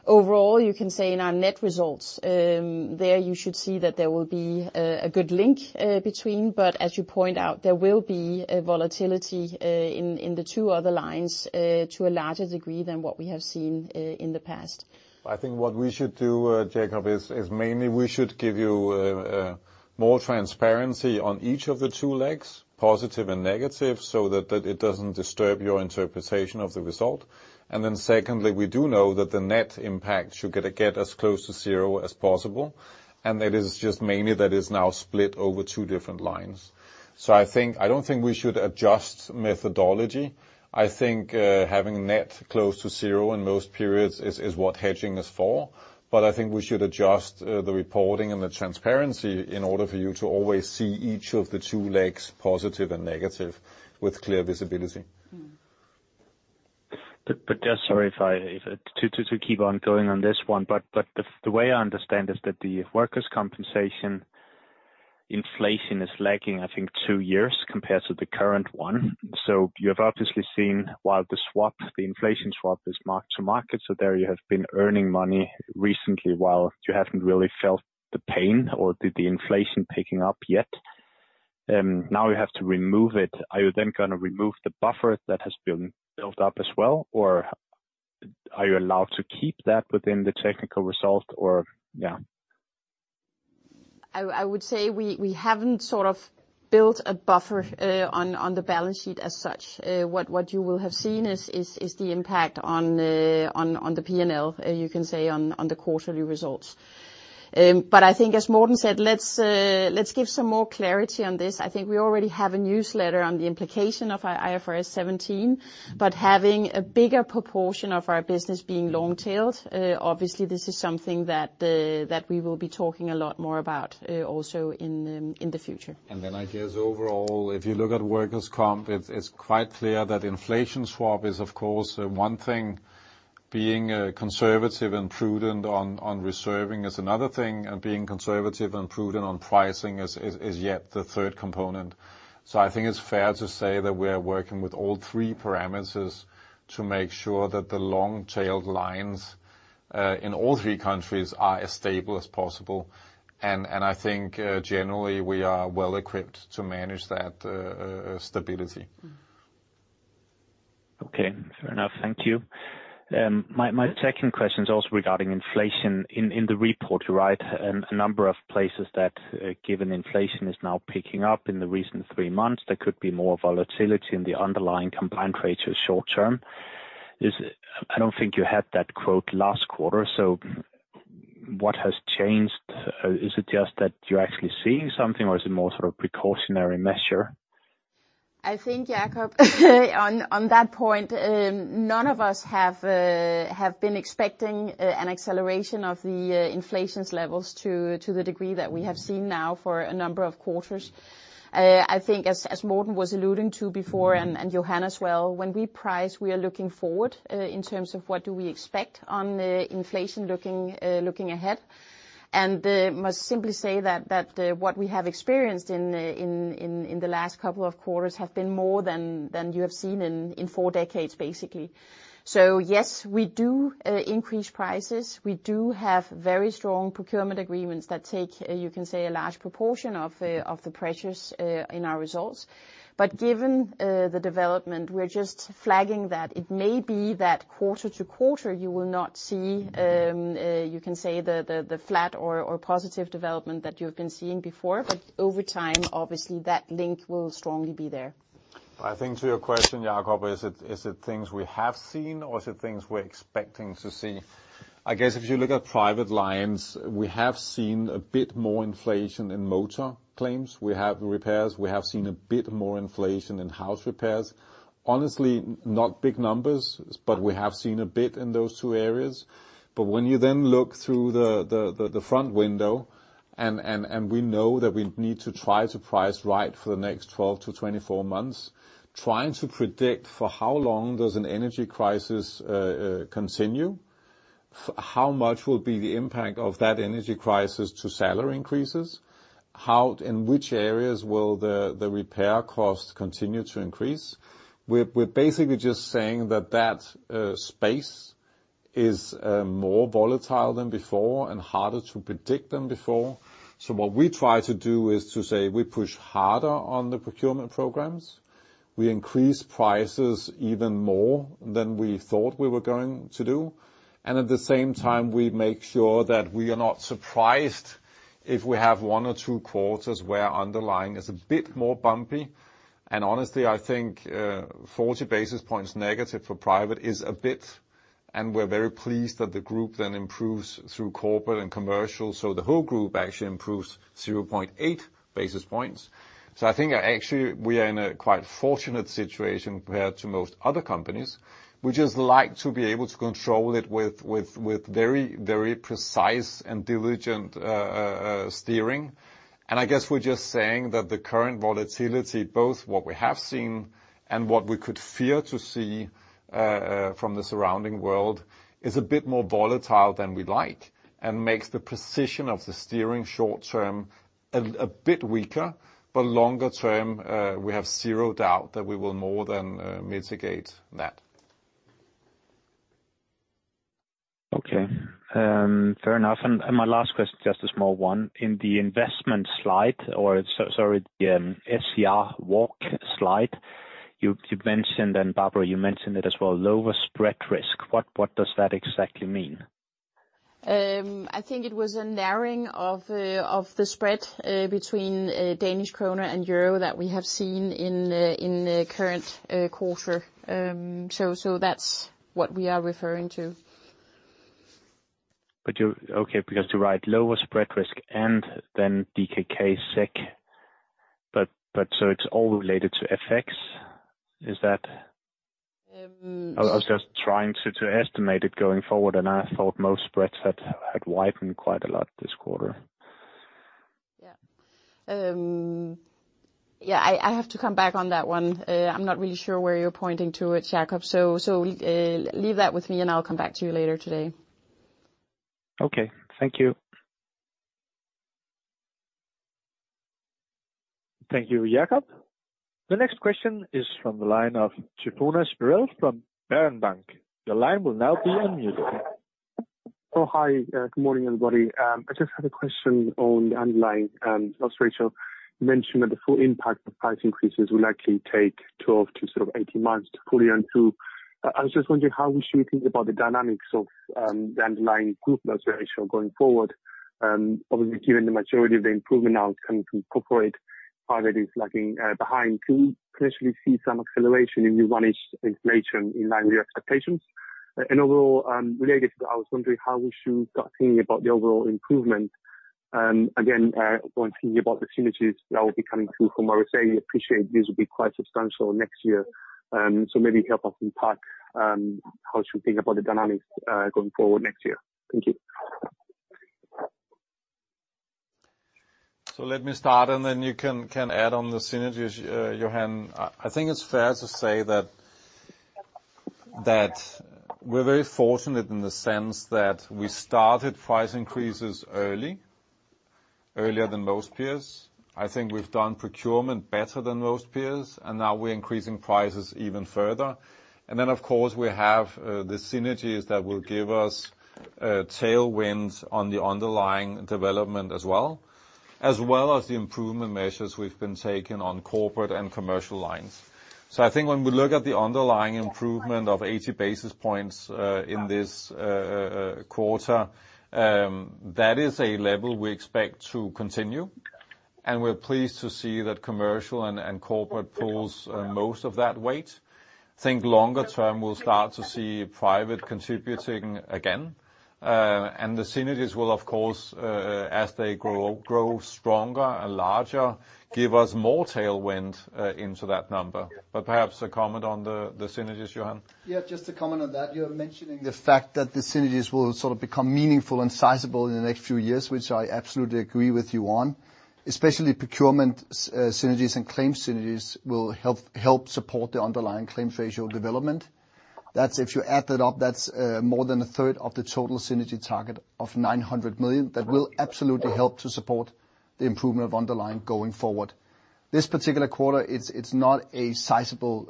Overall, you can say in our net results, there you should see that there will be a good link between, but as you point out, there will be a volatility in the two other lines to a larger degree than what we have seen in the past. I think what we should do, Jakob, is mainly we should give you more transparency on each of the two legs, positive and negative, so that it doesn't disturb your interpretation of the result. Secondly, we do know that the net impact should get as close to zero as possible, and it is just mainly that is now split over two different lines. I think, I don't think we should adjust methodology. I think having net close to zero in most periods is what hedging is for. I think we should adjust the reporting and the transparency in order for you to always see each of the two legs, positive and negative, with clear visibility. Mm. To keep on going on this one, but the way I understand is that the workers' compensation inflation is lagging, I think two years compared to the current one. Mm-hmm. You have obviously seen while the swap, the inflation swap is mark to market, so there you have been earning money recently while you haven't really felt the pain or the inflation picking up yet. Now you have to remove it. Are you then gonna remove the buffer that has been built up as well, or are you allowed to keep that within the technical result? I would say we haven't sort of built a buffer on the balance sheet as such. What you will have seen is the impact on the P&L, you can say on the quarterly results. I think as Morten said, let's give some more clarity on this. I think we already have a newsletter on the implication of IFRS 17, but having a bigger proportion of our business being long-tailed, obviously this is something that we will be talking a lot more about, also in the future. I guess overall, if you look at workers' comp, it's quite clear that inflation swap is of course one thing. Being conservative and prudent on reserving is another thing, and being conservative and prudent on pricing is yet the third component. I think it's fair to say that we're working with all three parameters to make sure that the long-tailed lines in all three countries are as stable as possible. I think generally we are well equipped to manage that stability. Okay. Fair enough. Thank you. My second question is also regarding inflation. In the report you write a number of places that given inflation is now picking up in the recent three months, there could be more volatility in the underlying combined ratio short term. I don't think you had that quote last quarter, so what has changed? Is it just that you're actually seeing something or is it more sort of precautionary measure? I think, Jakob, on that point, none of us have been expecting an acceleration of the inflation levels to the degree that we have seen now for a number of quarters. I think as Morten was alluding to before, and Johan as well, when we price, we are looking forward in terms of what do we expect on inflation looking ahead. Must simply say that what we have experienced in the last couple of quarters have been more than you have seen in four decades, basically. Yes, we do increase prices. We do have very strong procurement agreements that take, you can say, a large proportion of the pressures in our results. Given the development, we're just flagging that it may be that quarter to quarter you will not see, you can say the flat or positive development that you have been seeing before, but over time, obviously that link will strongly be there. I think to your question, Jakob, is it things we have seen or is it things we're expecting to see? I guess if you look at personal lines, we have seen a bit more inflation in motor claims. We have repairs. We have seen a bit more inflation in house repairs. Honestly, not big numbers, but we have seen a bit in those two areas. When you then look through the front window and we know that we need to try to price right for the next 12-24 months, trying to predict for how long does an energy crisis continue, how much will be the impact of that energy crisis to salary increases, how and which areas will the repair costs continue to increase? We're basically just saying that space is more volatile than before and harder to predict than before. What we try to do is to say we push harder on the procurement programs, we increase prices even more than we thought we were going to do. At the same time, we make sure that we are not surprised if we have one or two quarters where underlying is a bit more bumpy. Honestly, I think 40 basis points negative for private is a bit, and we're very pleased that the group then improves through corporate and commercial. The whole group actually improves 0.8 basis points. I think actually we are in a quite fortunate situation compared to most other companies. We just like to be able to control it with very, very precise and diligent steering. I guess we're just saying that the current volatility, both what we have seen and what we could fear to see from the surrounding world, is a bit more volatile than we like and makes the precision of the steering short term a bit weaker. Longer term, we have zero doubt that we will more than mitigate that. Okay. Fair enough. My last question, just a small one. In the investment slide, or sorry, the SCR walk slide, you mentioned, and Barbara, you mentioned it as well, lower spread risk. What does that exactly mean? I think it was a narrowing of the spread between Danish kroner and euro that we have seen in current quarter. That's what we are referring to. because you write lower spread risk and then DKK SCR, but so it's all related to FX. Is that? Um. I was just trying to estimate it going forward, and I thought most spreads had widened quite a lot this quarter. Yeah, I have to come back on that one. I'm not really sure where you're pointing to it, Jakob. Leave that with me, and I'll come back to you later today. Okay. Thank you. Thank you, Jakob. The next question is from the line of Tryfonas Spyrou from Berenberg. Your line will now be unmuted. Oh, hi. Good morning, everybody. I just had a question on the underlying. Also, you mentioned that the full impact of price increases will likely take 12 to sort of 18 months to fully run through. I was just wondering how we should think about the dynamics of the underlying group loss ratio going forward, obviously given the majority of the improvement now coming from corporate, private is lagging behind. Can we potentially see some acceleration in managed inflation in line with your expectations? And overall, related to that, I was wondering how we should start thinking about the overall improvement, again, when thinking about the synergies that will be coming through from RSA, we appreciate this will be quite substantial next year. Maybe help us unpack how to think about the dynamics going forward next year. Thank you. Let me start, and then you can add on the synergies, Johan. I think it's fair to say that we're very fortunate in the sense that we started price increases early, earlier than most peers. I think we've done procurement better than most peers, and now we're increasing prices even further. Then, of course, we have the synergies that will give us tailwinds on the underlying development as well as the improvement measures we've been taking on corporate and commercial lines. I think when we look at the underlying improvement of 80 basis points in this quarter, that is a level we expect to continue, and we're pleased to see that commercial and corporate pulls most of that weight. Think longer term, we'll start to see private contributing again. The synergies will, of course, as they grow stronger and larger, give us more tailwind into that number. Perhaps a comment on the synergies, Johan. Yeah, just to comment on that, you're mentioning the fact that the synergies will sort of become meaningful and sizable in the next few years, which I absolutely agree with you on. Especially procurement synergies and claims synergies will help support the underlying claims ratio development. That's if you add that up, that's more than a third of the total synergy target of 900 million. That will absolutely help to support the improvement of underlying going forward. This particular quarter, it's not a sizable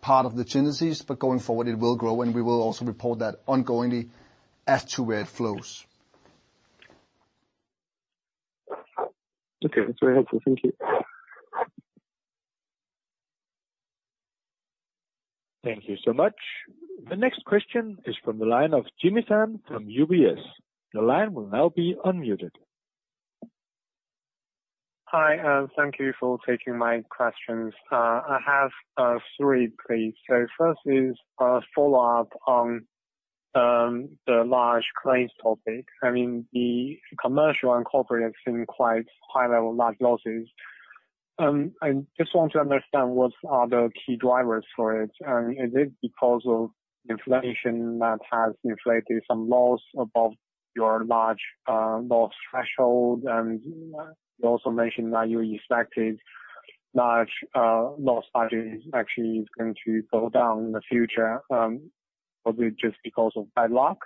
part of the synergies, but going forward it will grow, and we will also report that ongoingly as to where it flows. Okay. That's very helpful. Thank you. Thank you so much. The next question is from the line of Jimmy Shan from UBS. The line will now be unmuted. Hi, thank you for taking my questions. I have three, please. First is a follow-up on the large claims topic. I mean, the commercial and corporate have seen quite high level large losses. I just want to understand what are the key drivers for it. Is it because of inflation that has inflated some loss above your large loss threshold? You also mentioned that you expected large loss actually is going to go down in the future, probably just because of bad luck.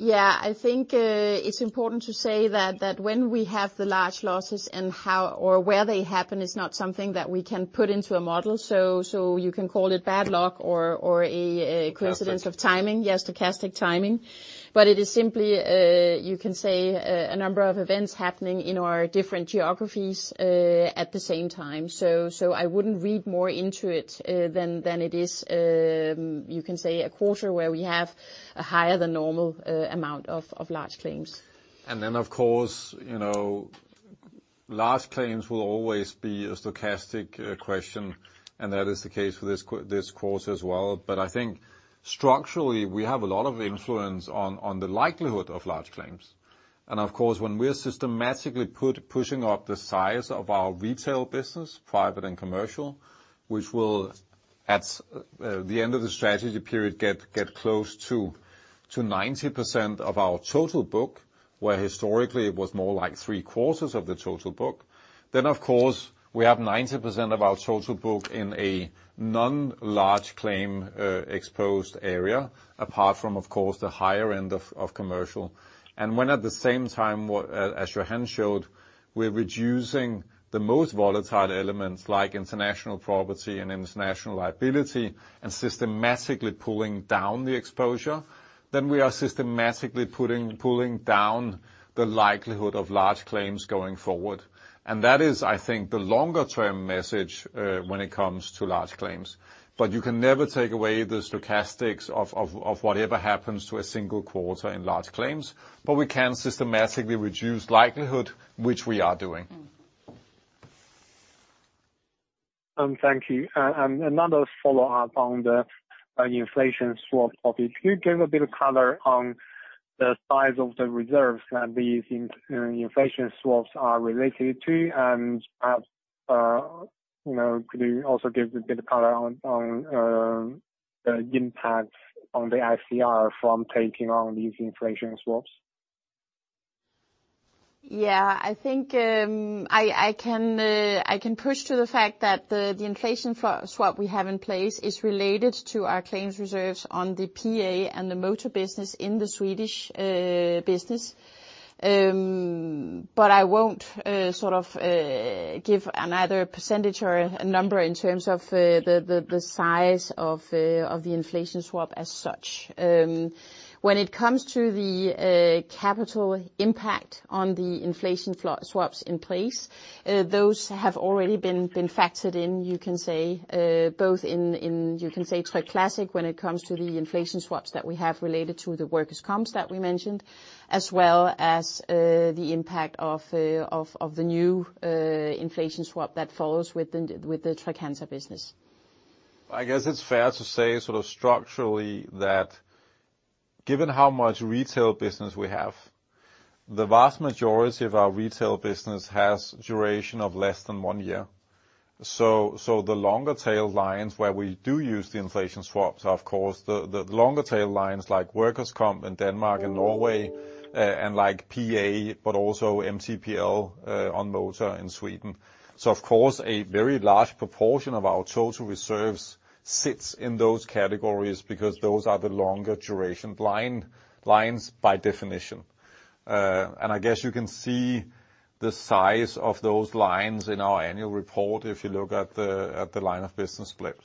Yeah. I think it's important to say that when we have the large losses and how or where they happen is not something that we can put into a model. You can call it bad luck or a coincidence of timing. Yes, stochastic timing. It is simply you can say a number of events happening in our different geographies at the same time. I wouldn't read more into it than it is you can say a quarter where we have a higher than normal amount of large claims. Of course, you know, large claims will always be a stochastic question, and that is the case for this quarter as well. But I think structurally, we have a lot of influence on the likelihood of large claims. Of course, when we're systematically pushing up the size of our retail business, private and commercial, which will at the end of the strategy period get close to 90% of our total book, where historically it was more like three-quarters of the total book. Of course, we have 90% of our total book in a non-large claim exposed area, apart from of course, the higher end of commercial. When at the same time, as Johan showed, we're reducing the most volatile elements like international property and international liability and systematically pulling down the exposure, then we are systematically pulling down the likelihood of large claims going forward. That is, I think, the longer term message when it comes to large claims. You can never take away the stochastics of whatever happens to a single quarter in large claims. We can systematically reduce likelihood, which we are doing. Mm. Thank you. Another follow-up on inflation swap topic. Could you give a bit of color on the size of the reserves that these inflation swaps are related to? Perhaps you could also give a bit of color on the impact on the ICR from taking on these inflation swaps? Yeah. I think I can push to the fact that the inflation swap we have in place is related to our claims reserves on the PA and the motor business in the Swedish business. I won't sort of give another percentage or a number in terms of the size of the inflation swap as such. When it comes to the capital impact on the inflation swaps in place, those have already been factored in, you can say, both in Tryg Classic when it comes to the inflation swaps that we have related to the workers' comps that we mentioned, as well as the impact of the new inflation swap that follows with the Trygg-Hansa business. I guess it's fair to say sort of structurally that given how much retail business we have, the vast majority of our retail business has duration of less than one year. The longer tail lines where we do use the inflation swaps are of course the longer tail lines like workers' compensation in Denmark and Norway, and like PA, but also MTPL on motor in Sweden. Of course, a very large proportion of our total reserves sits in those categories because those are the longer duration lines by definition. I guess you can see the size of those lines in our annual report if you look at the line of business split.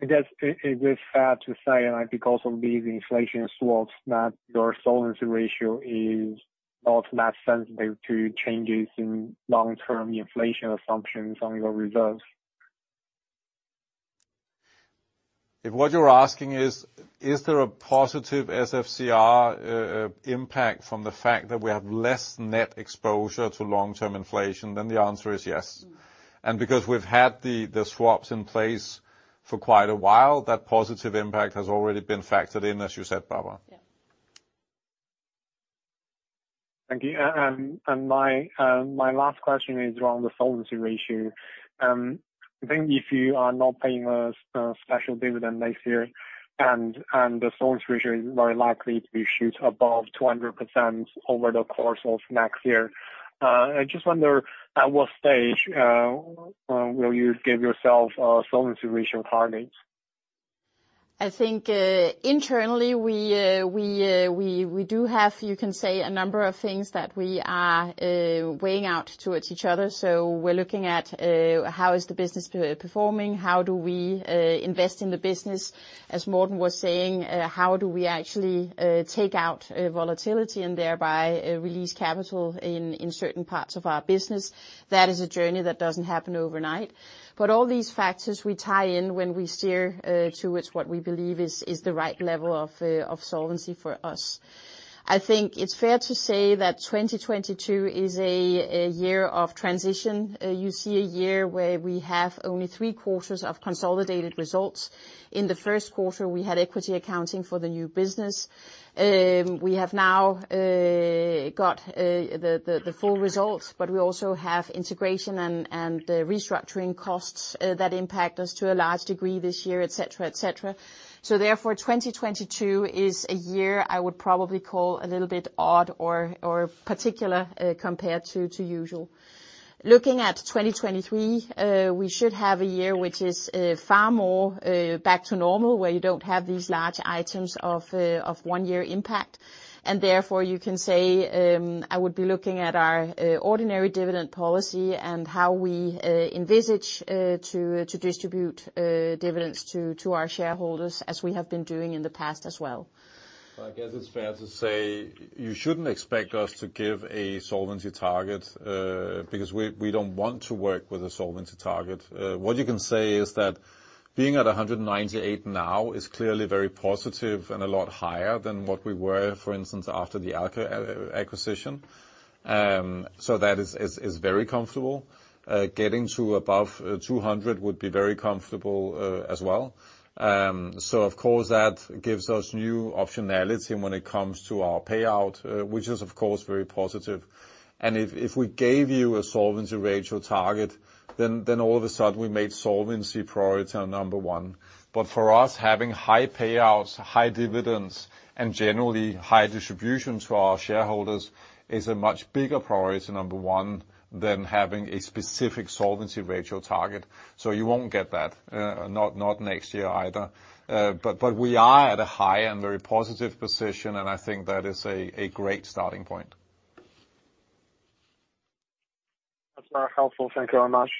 I guess it is fair to say, like, because of these inflation swaps, that your solvency ratio is not that sensitive to changes in long-term inflation assumptions on your reserves. If what you're asking is there a positive SFCR impact from the fact that we have less net exposure to long-term inflation, then the answer is yes. Because we've had the swaps in place for quite a while, that positive impact has already been factored in, as you said, Barbara. Yeah. Thank you. My last question is around the solvency ratio. I think if you are not paying a special dividend next year, and the solvency ratio is very likely to shoot above 200% over the course of next year, I just wonder at what stage will you give yourself a solvency ratio target? I think internally we do have, you can say, a number of things that we are weighing out towards each other. We're looking at how is the business performing? How do we invest in the business? As Morten was saying, how do we actually take out volatility and thereby release capital in certain parts of our business? That is a journey that doesn't happen overnight. All these factors we tie in when we steer towards what we believe is the right level of solvency for us. I think it's fair to say that 2022 is a year of transition. You see a year where we have only three quarters of consolidated results. In the first quarter, we had equity accounting for the new business. We have now got the full results, but we also have integration and restructuring costs that impact us to a large degree this year, et cetera, et cetera. Therefore, 2022 is a year I would probably call a little bit odd or particular compared to usual. Looking at 2023, we should have a year which is far more back to normal, where you don't have these large items of one-year impact. Therefore, you can say, I would be looking at our ordinary dividend policy and how we envisage to distribute dividends to our shareholders, as we have been doing in the past as well. I guess it's fair to say you shouldn't expect us to give a solvency target, because we don't want to work with a solvency target. What you can say is that being at 198 now is clearly very positive and a lot higher than what we were, for instance, after the Alka acquisition. That is very comfortable. Getting to above 200 would be very comfortable, as well. Of course, that gives us new optionality when it comes to our payout, which is of course very positive. If we gave you a solvency ratio target, then all of a sudden we made solvency priority our number one. For us, having high payouts, high dividends, and generally high distributions for our shareholders is a much bigger priority number one than having a specific solvency ratio target. You won't get that, not next year either. We are at a high and very positive position, and I think that is a great starting point. That's very helpful. Thank you very much.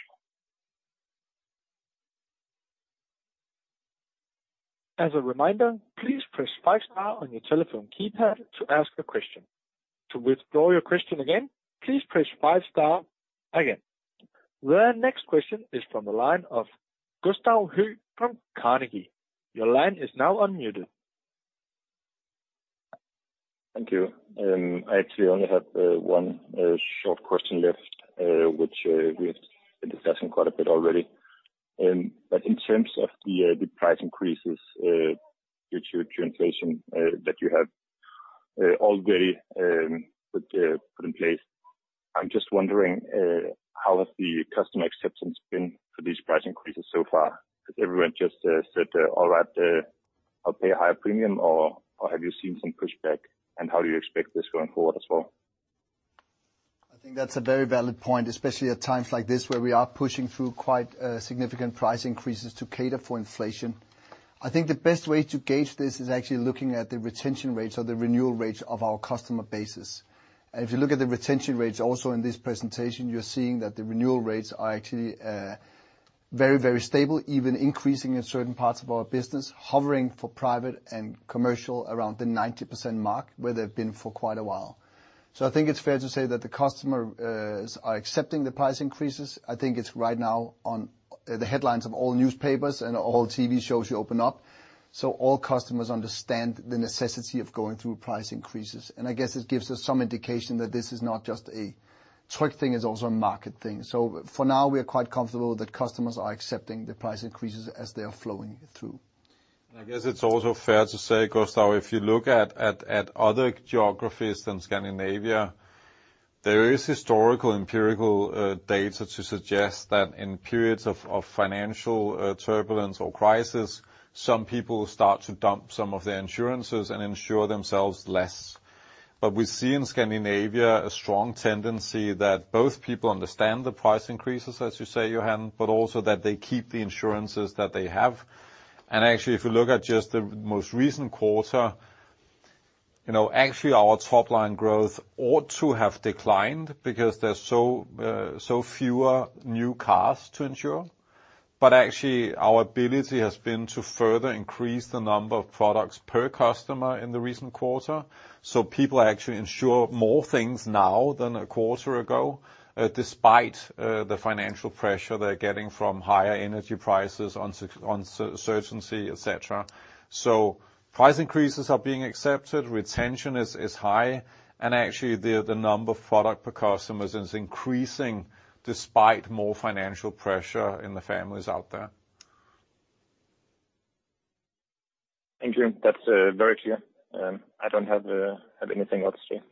As a reminder, please press five star on your telephone keypad to ask a question. To withdraw your question again, please press five star again. The next question is from the line of Gustav Hoej from Carnegie. Your line is now unmuted. Thank you. I actually only have one short question left, which we have been discussing quite a bit already. In terms of the price increases due to inflation that you have already put in place, I'm just wondering how has the customer acceptance been for these price increases so far? Has everyone just said, "All right, I'll pay a higher premium," or have you seen some pushback, and how do you expect this going forward as well? I think that's a very valid point, especially at times like this where we are pushing through quite significant price increases to cater for inflation. I think the best way to gauge this is actually looking at the retention rates or the renewal rates of our customer bases. If you look at the retention rates also in this presentation, you're seeing that the renewal rates are actually very stable, even increasing in certain parts of our business, hovering for private and commercial around the 90% mark, where they've been for quite a while. I think it's fair to say that the customers are accepting the price increases. I think it's right now on the headlines of all newspapers and all TV shows you open up. All customers understand the necessity of going through price increases. I guess it gives us some indication that this is not just a Tryg thing, it's also a market thing. For now, we are quite comfortable that customers are accepting the price increases as they are flowing through. I guess it's also fair to say, Gustav, if you look at other geographies than Scandinavia, there is historical empirical data to suggest that in periods of financial turbulence or crisis, some people start to dump some of their insurances and insure themselves less. We see in Scandinavia a strong tendency that both people understand the price increases, as you say, Johan, but also that they keep the insurances that they have. Actually, if you look at just the most recent quarter, you know, actually our top line growth ought to have declined because there's so fewer new cars to insure. Actually, our ability has been to further increase the number of products per customer in the recent quarter. People actually insure more things now than a quarter ago, despite the financial pressure they're getting from higher energy prices, uncertainty, et cetera. Price increases are being accepted, retention is high, and actually the number of product per customers is increasing despite more financial pressure in the families out there. Thank you. That's very clear. I don't have anything else to say.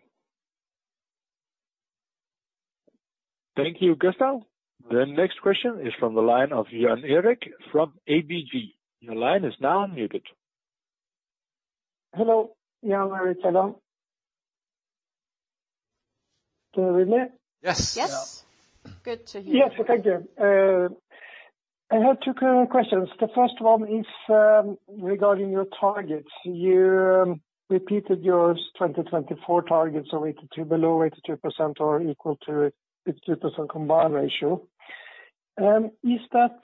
Thank you, Gustav. The next question is from the line of Jan Erik from ABG. Your line is now unmuted. Hello. Jan Erik, hello. Can you hear me? Yes. Yes. Good to hear you. Yes, thank you. I have two quick questions. The first one is, regarding your targets. You repeated your 2024 targets of 82, below 82% or equal to 82% combined ratio. Is that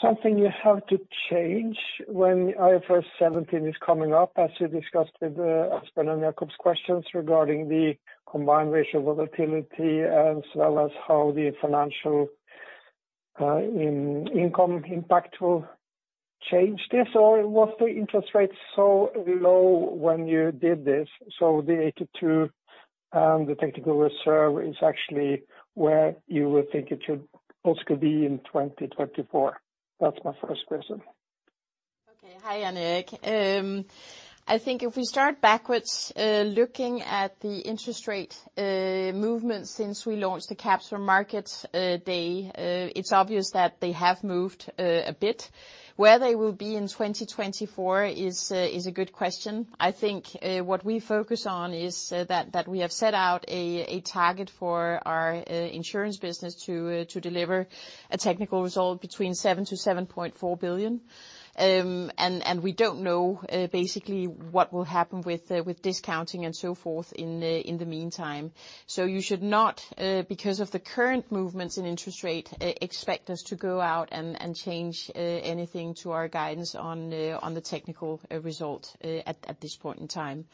something you have to change when IFRS 17 is coming up, as you discussed with Asbjørn Mørk and Jakob questions regarding the combined ratio volatility as well as how the financial income impact will change this? Or was the interest rate so low when you did this, so the 82, the technical reserve is actually where you would think it should also be in 2024? That's my first question? Okay. Hi, Jan Erik. I think if we start backwards, looking at the interest rate movement since we launched the Capital Markets Day, it's obvious that they have moved a bit. Where they will be in 2024 is a good question. I think what we focus on is that we have set out a target for our insurance business to deliver a technical result between 7 billion-7.4 billion. We don't know basically what will happen with discounting and so forth in the meantime. You should not, because of the current movements in interest rate, expect us to go out and change anything to our guidance on the technical result at this point in time.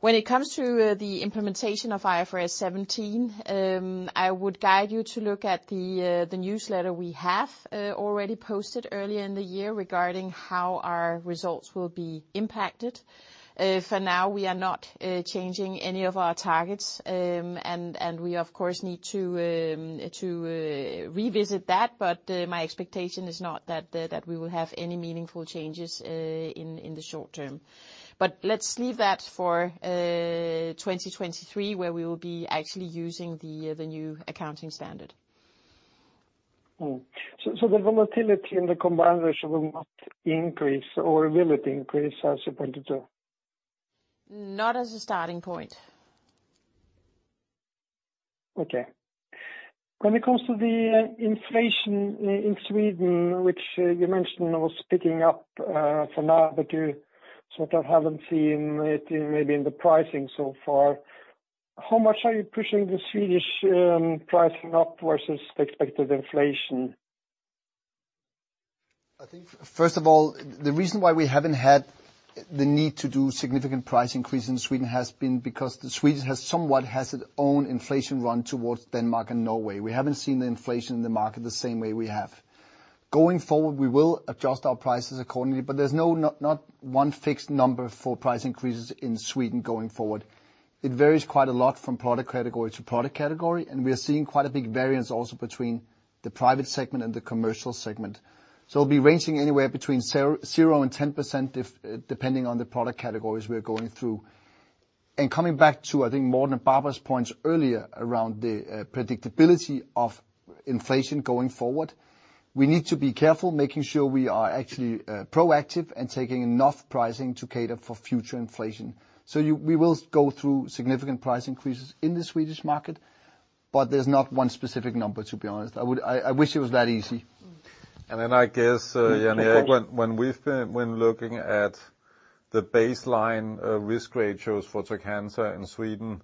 When it comes to the implementation of IFRS 17, I would guide you to look at the newsletter we have already posted earlier in the year regarding how our results will be impacted. For now, we are not changing any of our targets. We of course need to revisit that, but my expectation is not that we will have any meaningful changes in the short term. Let's leave that for 2023, where we will be actually using the new accounting standard. The volatility in the combined ratio will not increase, or will it increase as you pointed to? Not as a starting point. Okay. When it comes to the inflation in Sweden, which you mentioned was picking up for now, but you sort of haven't seen it in, maybe in the pricing so far, how much are you pushing the Swedish pricing up versus the expected inflation? I think first of all, the reason why we haven't had the need to do significant price increase in Sweden has been because Sweden has somewhat its own inflation run towards Denmark and Norway. We haven't seen the inflation in the market the same way we have. Going forward, we will adjust our prices accordingly, but there's not one fixed number for price increases in Sweden going forward. It varies quite a lot from product category to product category, and we are seeing quite a big variance also between the private segment and the commercial segment. It'll be ranging anywhere between zero and 10% depending on the product categories we are going through. Coming back to, I think, Morten and Barbara's points earlier around the predictability of inflation going forward, we need to be careful making sure we are actually proactive and taking enough pricing to cater for future inflation. We will go through significant price increases in the Swedish market, but there's not one specific number, to be honest. I wish it was that easy. I guess, Jan Erik, when looking at the baseline risk ratios for Trygg-Hansa in Sweden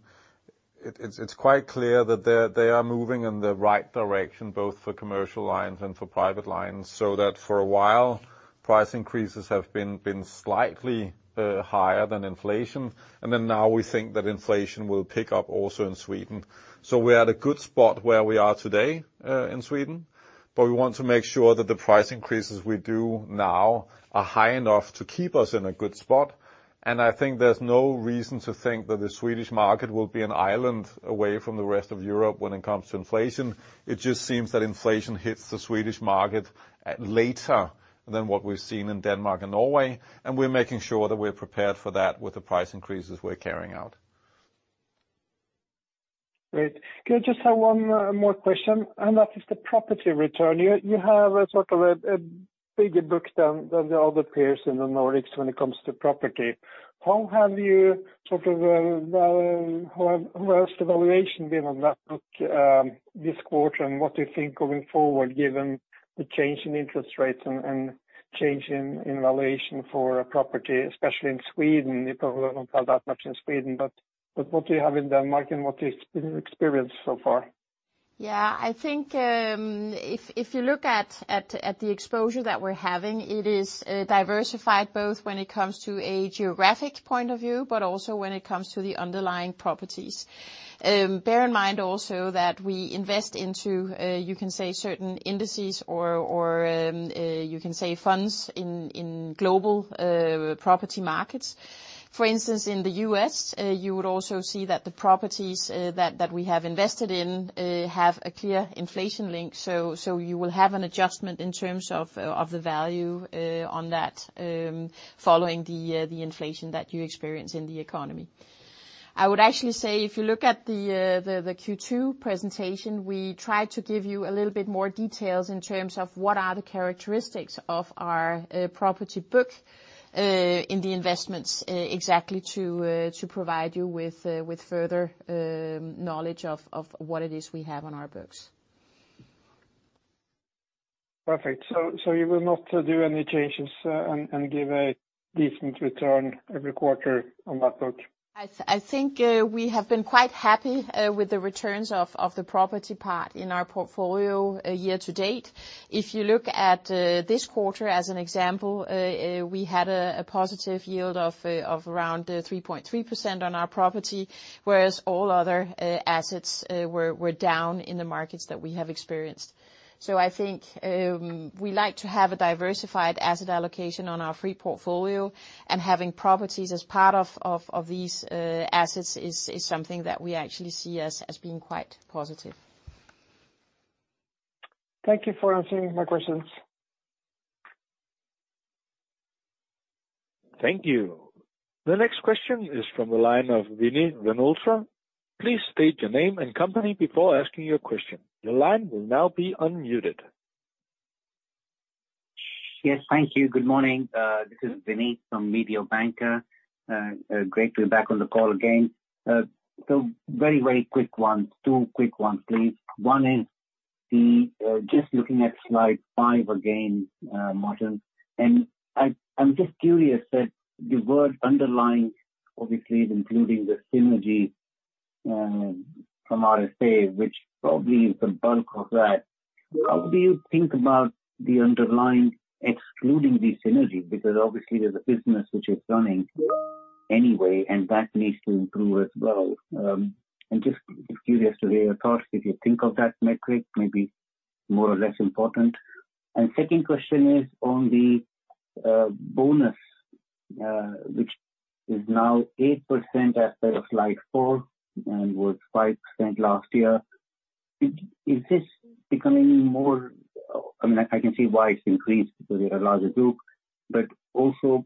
it's quite clear that they are moving in the right direction, both for commercial lines and for private lines, so that for a while price increases have been slightly higher than inflation, and then now we think that inflation will pick up also in Sweden. We're at a good spot where we are today in Sweden, but we want to make sure that the price increases we do now are high enough to keep us in a good spot. I think there's no reason to think that the Swedish market will be an island away from the rest of Europe when it comes to inflation. It just seems that inflation hits the Swedish market, later than what we've seen in Denmark and Norway, and we're making sure that we're prepared for that with the price increases we're carrying out. Great. Can I just have one more question? That is the property return. You have sort of a bigger book than the other peers in the Nordics when it comes to property. How has the valuation been on that book this quarter and what do you think going forward, given the change in interest rates and change in valuation for property, especially in Sweden? You probably don't have that much in Sweden, but what do you have in Denmark and what has been experienced so far? Yeah. I think, if you look at the exposure that we're having, it is diversified both when it comes to a geographic point of view, but also when it comes to the underlying properties. Bear in mind also that we invest into you can say certain indices or you can say funds in global property markets. For instance, in the U.S., you would also see that the properties that we have invested in have a clear inflation link, so you will have an adjustment in terms of the value on that following the inflation that you experience in the economy. I would actually say if you look at the Q2 presentation, we try to give you a little bit more details in terms of what are the characteristics of our property book in the investments exactly to provide you with further knowledge of what it is we have on our books. Perfect. You will not do any changes, and give a decent return every quarter on that book? I think we have been quite happy with the returns of the property part in our portfolio year to date. If you look at this quarter as an example, we had a positive yield of around 3.3% on our property, whereas all other assets were down in the markets that we have experienced. I think we like to have a diversified asset allocation on our free portfolio, and having properties as part of these assets is something that we actually see as being quite positive. Thank you for answering my questions. Thank you. The next question is from the line of Vinit Malhotra. Please state your name and company before asking your question. Your line will now be unmuted. Yes, thank you. Good morning. This is Vinit from Mediobanca. Great to be back on the call again. Very, very quick one. Two quick ones, please. One is the, just looking at slide five again, Morten, and I'm just curious that the word underlying obviously is including the synergy from RSA, which probably is the bulk of that. How do you think about the underlying excluding the synergy? Because obviously there's a business which is running anyway, and that needs to improve as well. Just curious to hear your thoughts if you think of that metric, maybe more or less important. Second question is on the bonus, which is now 8% as per slide four and was 5% last year. Is this becoming more. I mean, I can see why it's increased because you're a larger group, but also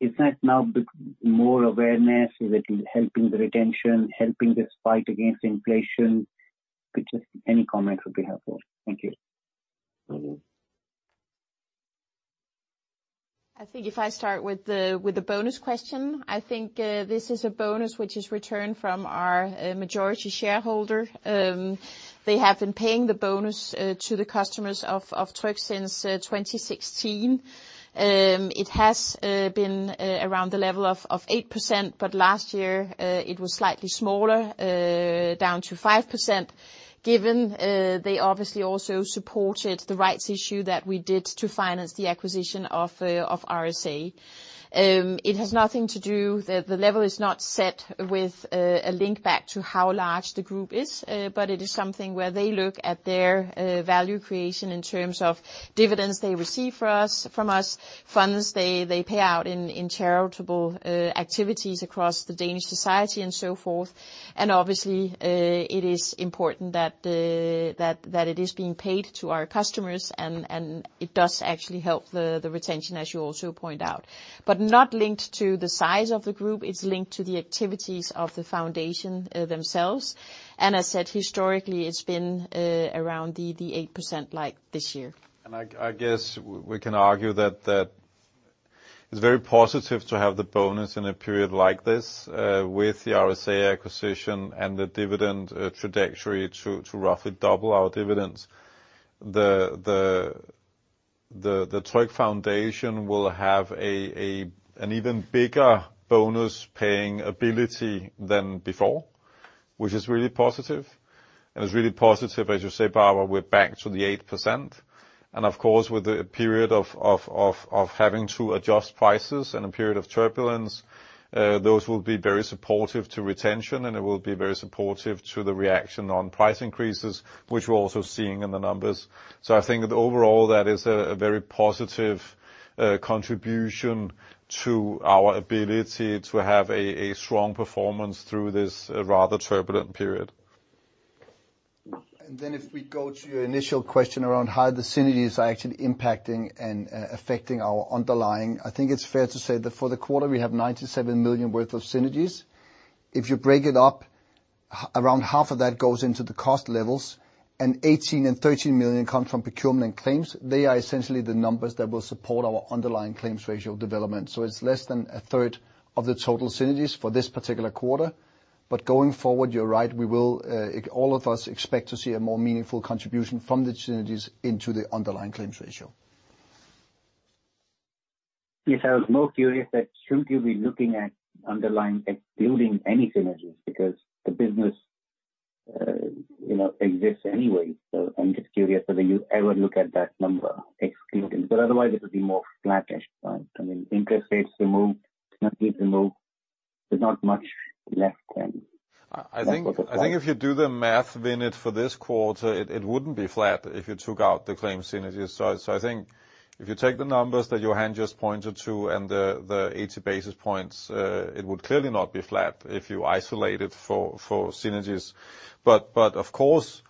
is that now bit more awareness that is helping the retention, helping this fight against inflation? Just any comments would be helpful. Thank you. Mm-hmm. I think if I start with the bonus question, I think this is a bonus which is returned from our majority shareholder. They have been paying the bonus to the customers of Tryg since 2016. It has been around the level of 8%, but last year it was slightly smaller, down to 5%, given they obviously also supported the rights issue that we did to finance the acquisition of RSA. It has nothing to do. The level is not set with a link back to how large the group is, but it is something where they look at their value creation in terms of dividends they receive for us, from us, funds they pay out in charitable activities across the Danish society and so forth. Obviously, it is important that that it is being paid to our customers and it does actually help the retention, as you also point out. Not linked to the size of the group, it's linked to the activities of the foundation themselves. As said, historically, it's been around the 8% like this year. I guess we can argue that. It's very positive to have the bonus in a period like this, with the RSA acquisition and the dividend trajectory to roughly double our dividends. The Tryg Foundation will have an even bigger bonus paying ability than before, which is really positive. It's really positive, as you say, Barbara, we're back to the 8%. Of course, with a period of having to adjust prices and a period of turbulence, those will be very supportive to retention, and it will be very supportive to the reaction on price increases, which we're also seeing in the numbers. I think that overall that is a very positive contribution to our ability to have a strong performance through this rather turbulent period. If we go to your initial question around how the synergies are actually impacting and affecting our underlying, I think it's fair to say that for the quarter we have 97 million worth of synergies. If you break it up, around half of that goes into the cost levels and 18 and 13 million come from procurement claims. They are essentially the numbers that will support our underlying claims ratio development. It's less than a third of the total synergies for this particular quarter. Going forward, you're right, we will all of us expect to see a more meaningful contribution from the synergies into the underlying claims ratio. Yes, I was more curious that shouldn't you be looking at underlying excluding any synergies because the business, you know, exists anyway. I'm just curious whether you ever look at that number excluding, but otherwise it would be more flattish, right? I mean, interest rates removed, synergies removed. There's not much left then. I think if you do the math, Vinit, for this quarter, it wouldn't be flat if you took out the claims synergies. I think if you take the numbers that Johan just pointed to and the 80 basis points, it would clearly not be flat if you isolate it for synergies. Of course,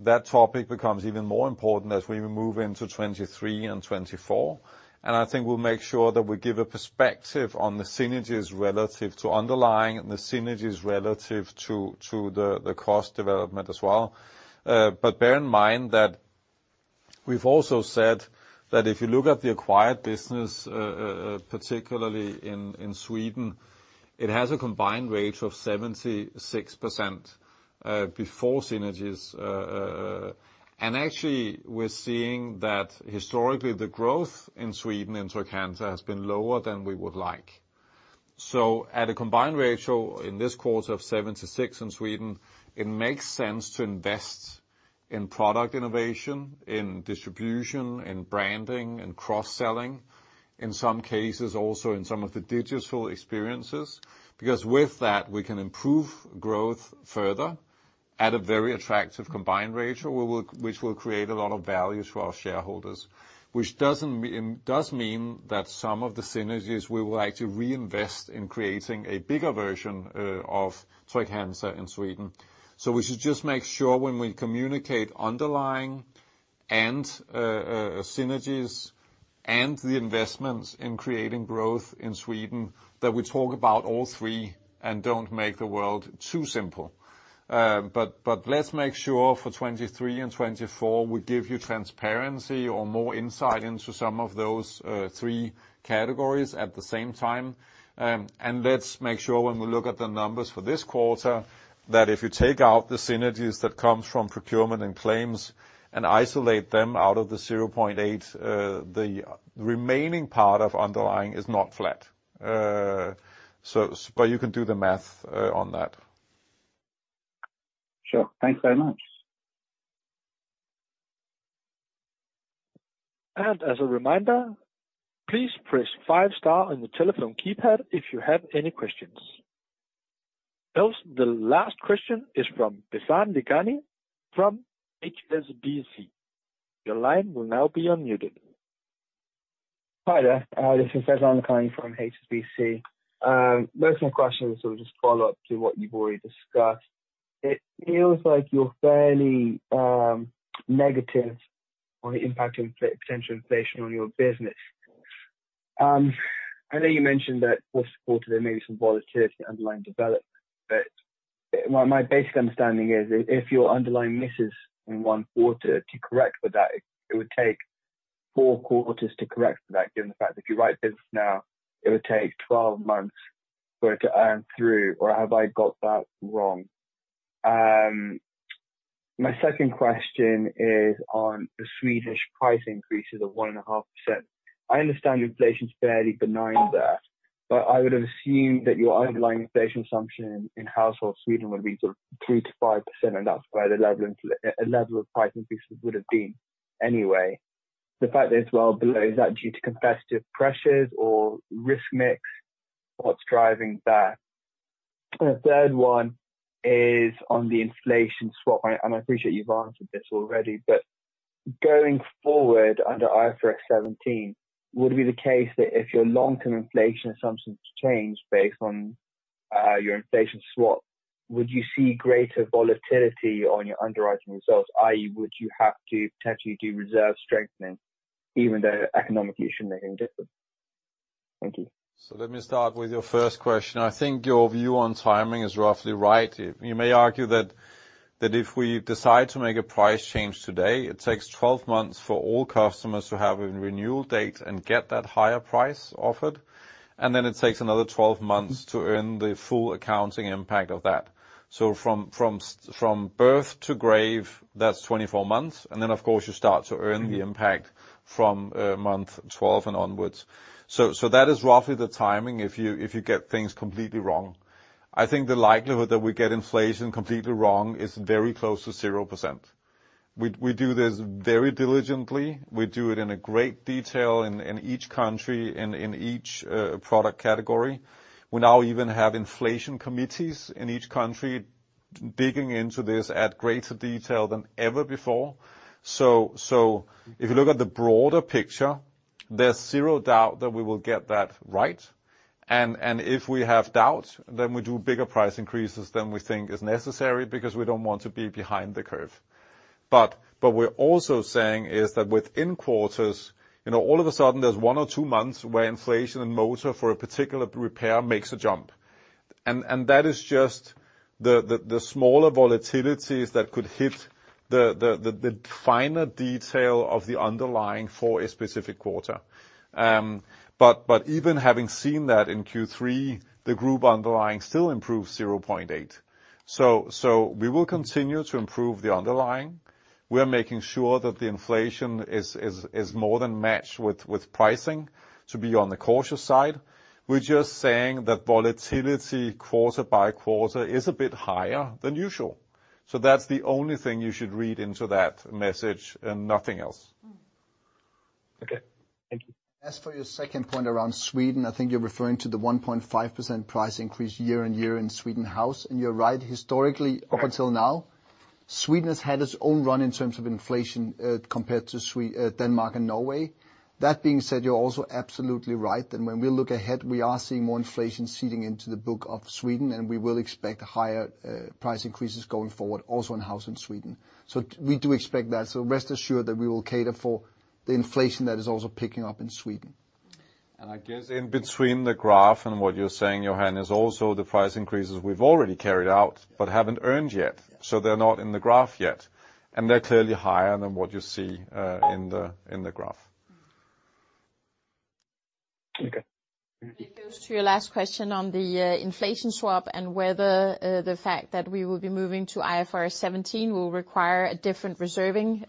that topic becomes even more important as we move into 2023 and 2024. I think we'll make sure that we give a perspective on the synergies relative to underlying and the synergies relative to the cost development as well. Bear in mind that we've also said that if you look at the acquired business, particularly in Sweden, it has a combined ratio of 76%, before synergies. Actually we're seeing that historically the growth in Sweden in Trygg-Hansa has been lower than we would like. At a combined ratio in this quarter of 76% in Sweden, it makes sense to invest in product innovation, in distribution, in branding, in cross-selling, in some cases also in some of the digital experiences. Because with that, we can improve growth further at a very attractive combined ratio, which will create a lot of value for our shareholders. Which does mean that some of the synergies we will actually reinvest in creating a bigger version of Trygg-Hansa in Sweden. We should just make sure when we communicate underlying and synergies and the investments in creating growth in Sweden, that we talk about all three and don't make the world too simple. Let's make sure for 2023 and 2024 we give you transparency or more insight into some of those three categories at the same time. Let's make sure when we look at the numbers for this quarter, that if you take out the synergies that comes from procurement and claims and isolate them out of the 0.8, the remaining part of underlying is not flat. You can do the math on that. Sure. Thanks very much. As a reminder, please press five star on your telephone keypad if you have any questions. Else, the last question is from Faizan Lakhani from HSBC. Your line will now be unmuted. Hi there. This is Faizan Lakhani from HSBC. Most of my questions will just follow up to what you've already discussed. It feels like you're fairly negative on the impact of external inflation on your business. I know you mentioned that post quarter there may be some volatility underlying development, but my basic understanding is if your underlying misses in one quarter to correct for that, it would take four quarters to correct for that, given the fact if you write this now, it would take 12 months for it to earn through, or have I got that wrong? My second question is on the Swedish price increases of 1.5%. I understand inflation is fairly benign there, but I would have assumed that your underlying inflation assumption in household Sweden would be sort of 3%-5%, and that's where the level of price increases would have been anyway. The fact that it's well below, is that due to competitive pressures or risk mix? What's driving that? The third one is on the inflation swap. I appreciate you've answered this already, but going forward under IFRS 17, would it be the case that if your long-term inflation assumptions change based on your inflation swap, would you see greater volatility on your underwriting results? Would you have to potentially do reserve strengthening even though economically you shouldn't make any difference? Thank you. Let me start with your first question. I think your view on timing is roughly right. You may argue that if we decide to make a price change today, it takes 12 months for all customers to have a renewal date and get that higher price offered. Then it takes another 12 months to earn the full accounting impact of that. From birth to grave, that's 24 months. Then, of course, you start to earn the impact from month 12 and onwards. That is roughly the timing if you get things completely wrong. I think the likelihood that we get inflation completely wrong is very close to 0%. We do this very diligently. We do it in great detail in each country, in each product category. We now even have inflation committees in each country digging into this at greater detail than ever before. If you look at the broader picture, there's zero doubt that we will get that right. If we have doubts, then we do bigger price increases than we think is necessary, because we don't want to be behind the curve. We're also saying is that within quarters, you know, all of a sudden there's one or two months where inflation in motor for a particular repair makes a jump. That is just the smaller volatility that could hit the finer detail of the underlying for a specific quarter. Even having seen that in Q3, the group underlying still improved 0.8. We will continue to improve the underlying. We are making sure that the inflation is more than matched with pricing to be on the cautious side. We're just saying that volatility quarter by quarter is a bit higher than usual. That's the only thing you should read into that message and nothing else. Okay, thank you. As for your second point around Sweden, I think you're referring to the 1.5% price increase year-on-year in Swedish household. You're right, historically, up until now, Sweden has had its own run in terms of inflation, compared to Denmark and Norway. That being said, you're also absolutely right that when we look ahead, we are seeing more inflation seeping into the book of Sweden, and we will expect higher price increases going forward also in household in Sweden. We do expect that. Rest assured that we will cater for the inflation that is also picking up in Sweden. I guess in between the graph and what you're saying, Johan, is also the price increases we've already carried out but haven't earned yet. They're not in the graph yet. They're clearly higher than what you see in the graph. Okay. It goes to your last question on the inflation swap and whether the fact that we will be moving to IFRS 17 will require a different reserving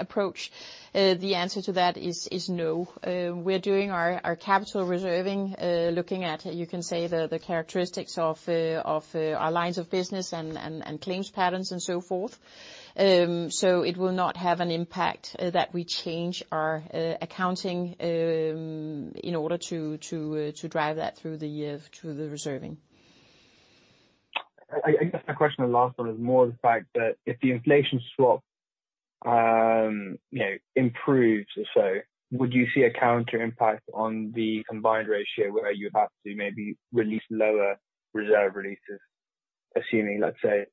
approach. The answer to that is no. We're doing our capital reserving looking at, you can say the characteristics of our lines of business and claims patterns and so forth. It will not have an impact that we change our accounting in order to drive that through the year through the reserving. I guess my question on the last one is more the fact that if the inflation swap, you know, improves or so, would you see a counter impact on the combined ratio where you have to maybe release lower reserve releases, assuming, let's say,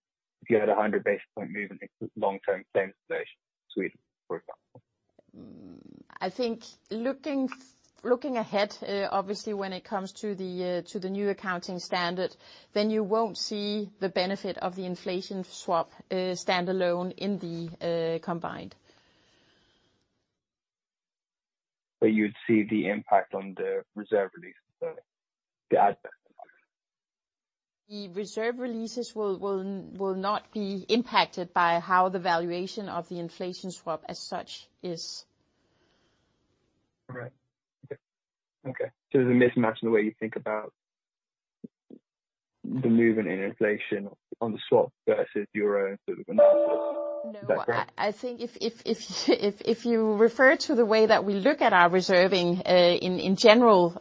if you had 100 basis point movement in long-term claim inflation in Sweden, for example? I think looking ahead, obviously when it comes to the new accounting standard, then you won't see the benefit of the inflation swap stand alone in the combined. You'd see the impact on the reserve releases then. The asset. The reserve releases will not be impacted by how the valuation of the inflation swap as such is. There's a mismatch in the way you think about the movement in inflation on the swap versus your own sort of analysis. Is that correct? No. I think if you refer to the way that we look at our reserving, in general,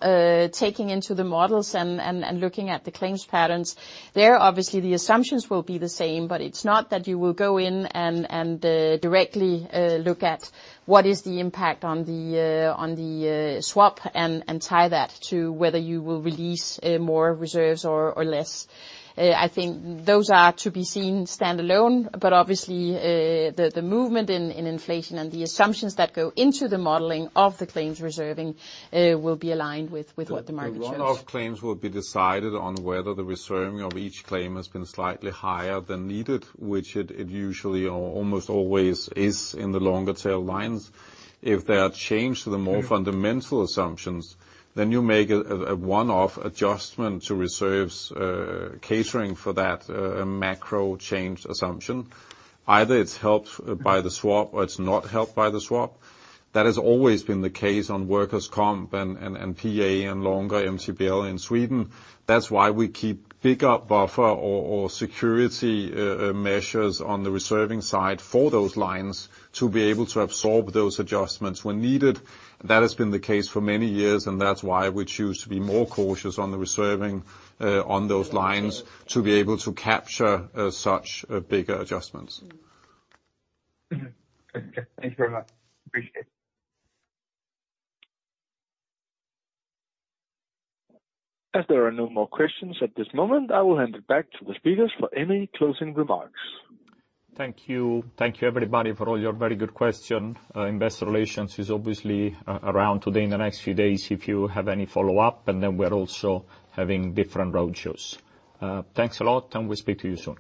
taking into the models and looking at the claims patterns, there obviously the assumptions will be the same. It's not that you will go in and directly look at what is the impact on the swap and tie that to whether you will release more reserves or less. I think those are to be seen standalone. Obviously, the movement in inflation and the assumptions that go into the modeling of the claims reserving will be aligned with what the market shows. The one-off claims will be decided on whether the reserving of each claim has been slightly higher than needed, which it usually or almost always is in the longer tail lines. If there are changes to the more fundamental assumptions, then you make a one-off adjustment to reserves, catering for that macro change assumption. Either it's helped by the swap or it's not helped by the swap. That has always been the case on workers' compensation and PA and longer MTPL in Sweden. That's why we keep bigger buffer or security measures on the reserving side for those lines to be able to absorb those adjustments when needed. That has been the case for many years, and that's why we choose to be more cautious on the reserving on those lines to be able to capture such bigger adjustments. Okay. Thank you very much. Appreciate it. As there are no more questions at this moment, I will hand it back to the speakers for any closing remarks. Thank you. Thank you, everybody, for all your very good question. Investor relations is obviously around today, in the next few days if you have any follow-up, and then we're also having different roadshows. Thanks a lot, and we'll speak to you soon.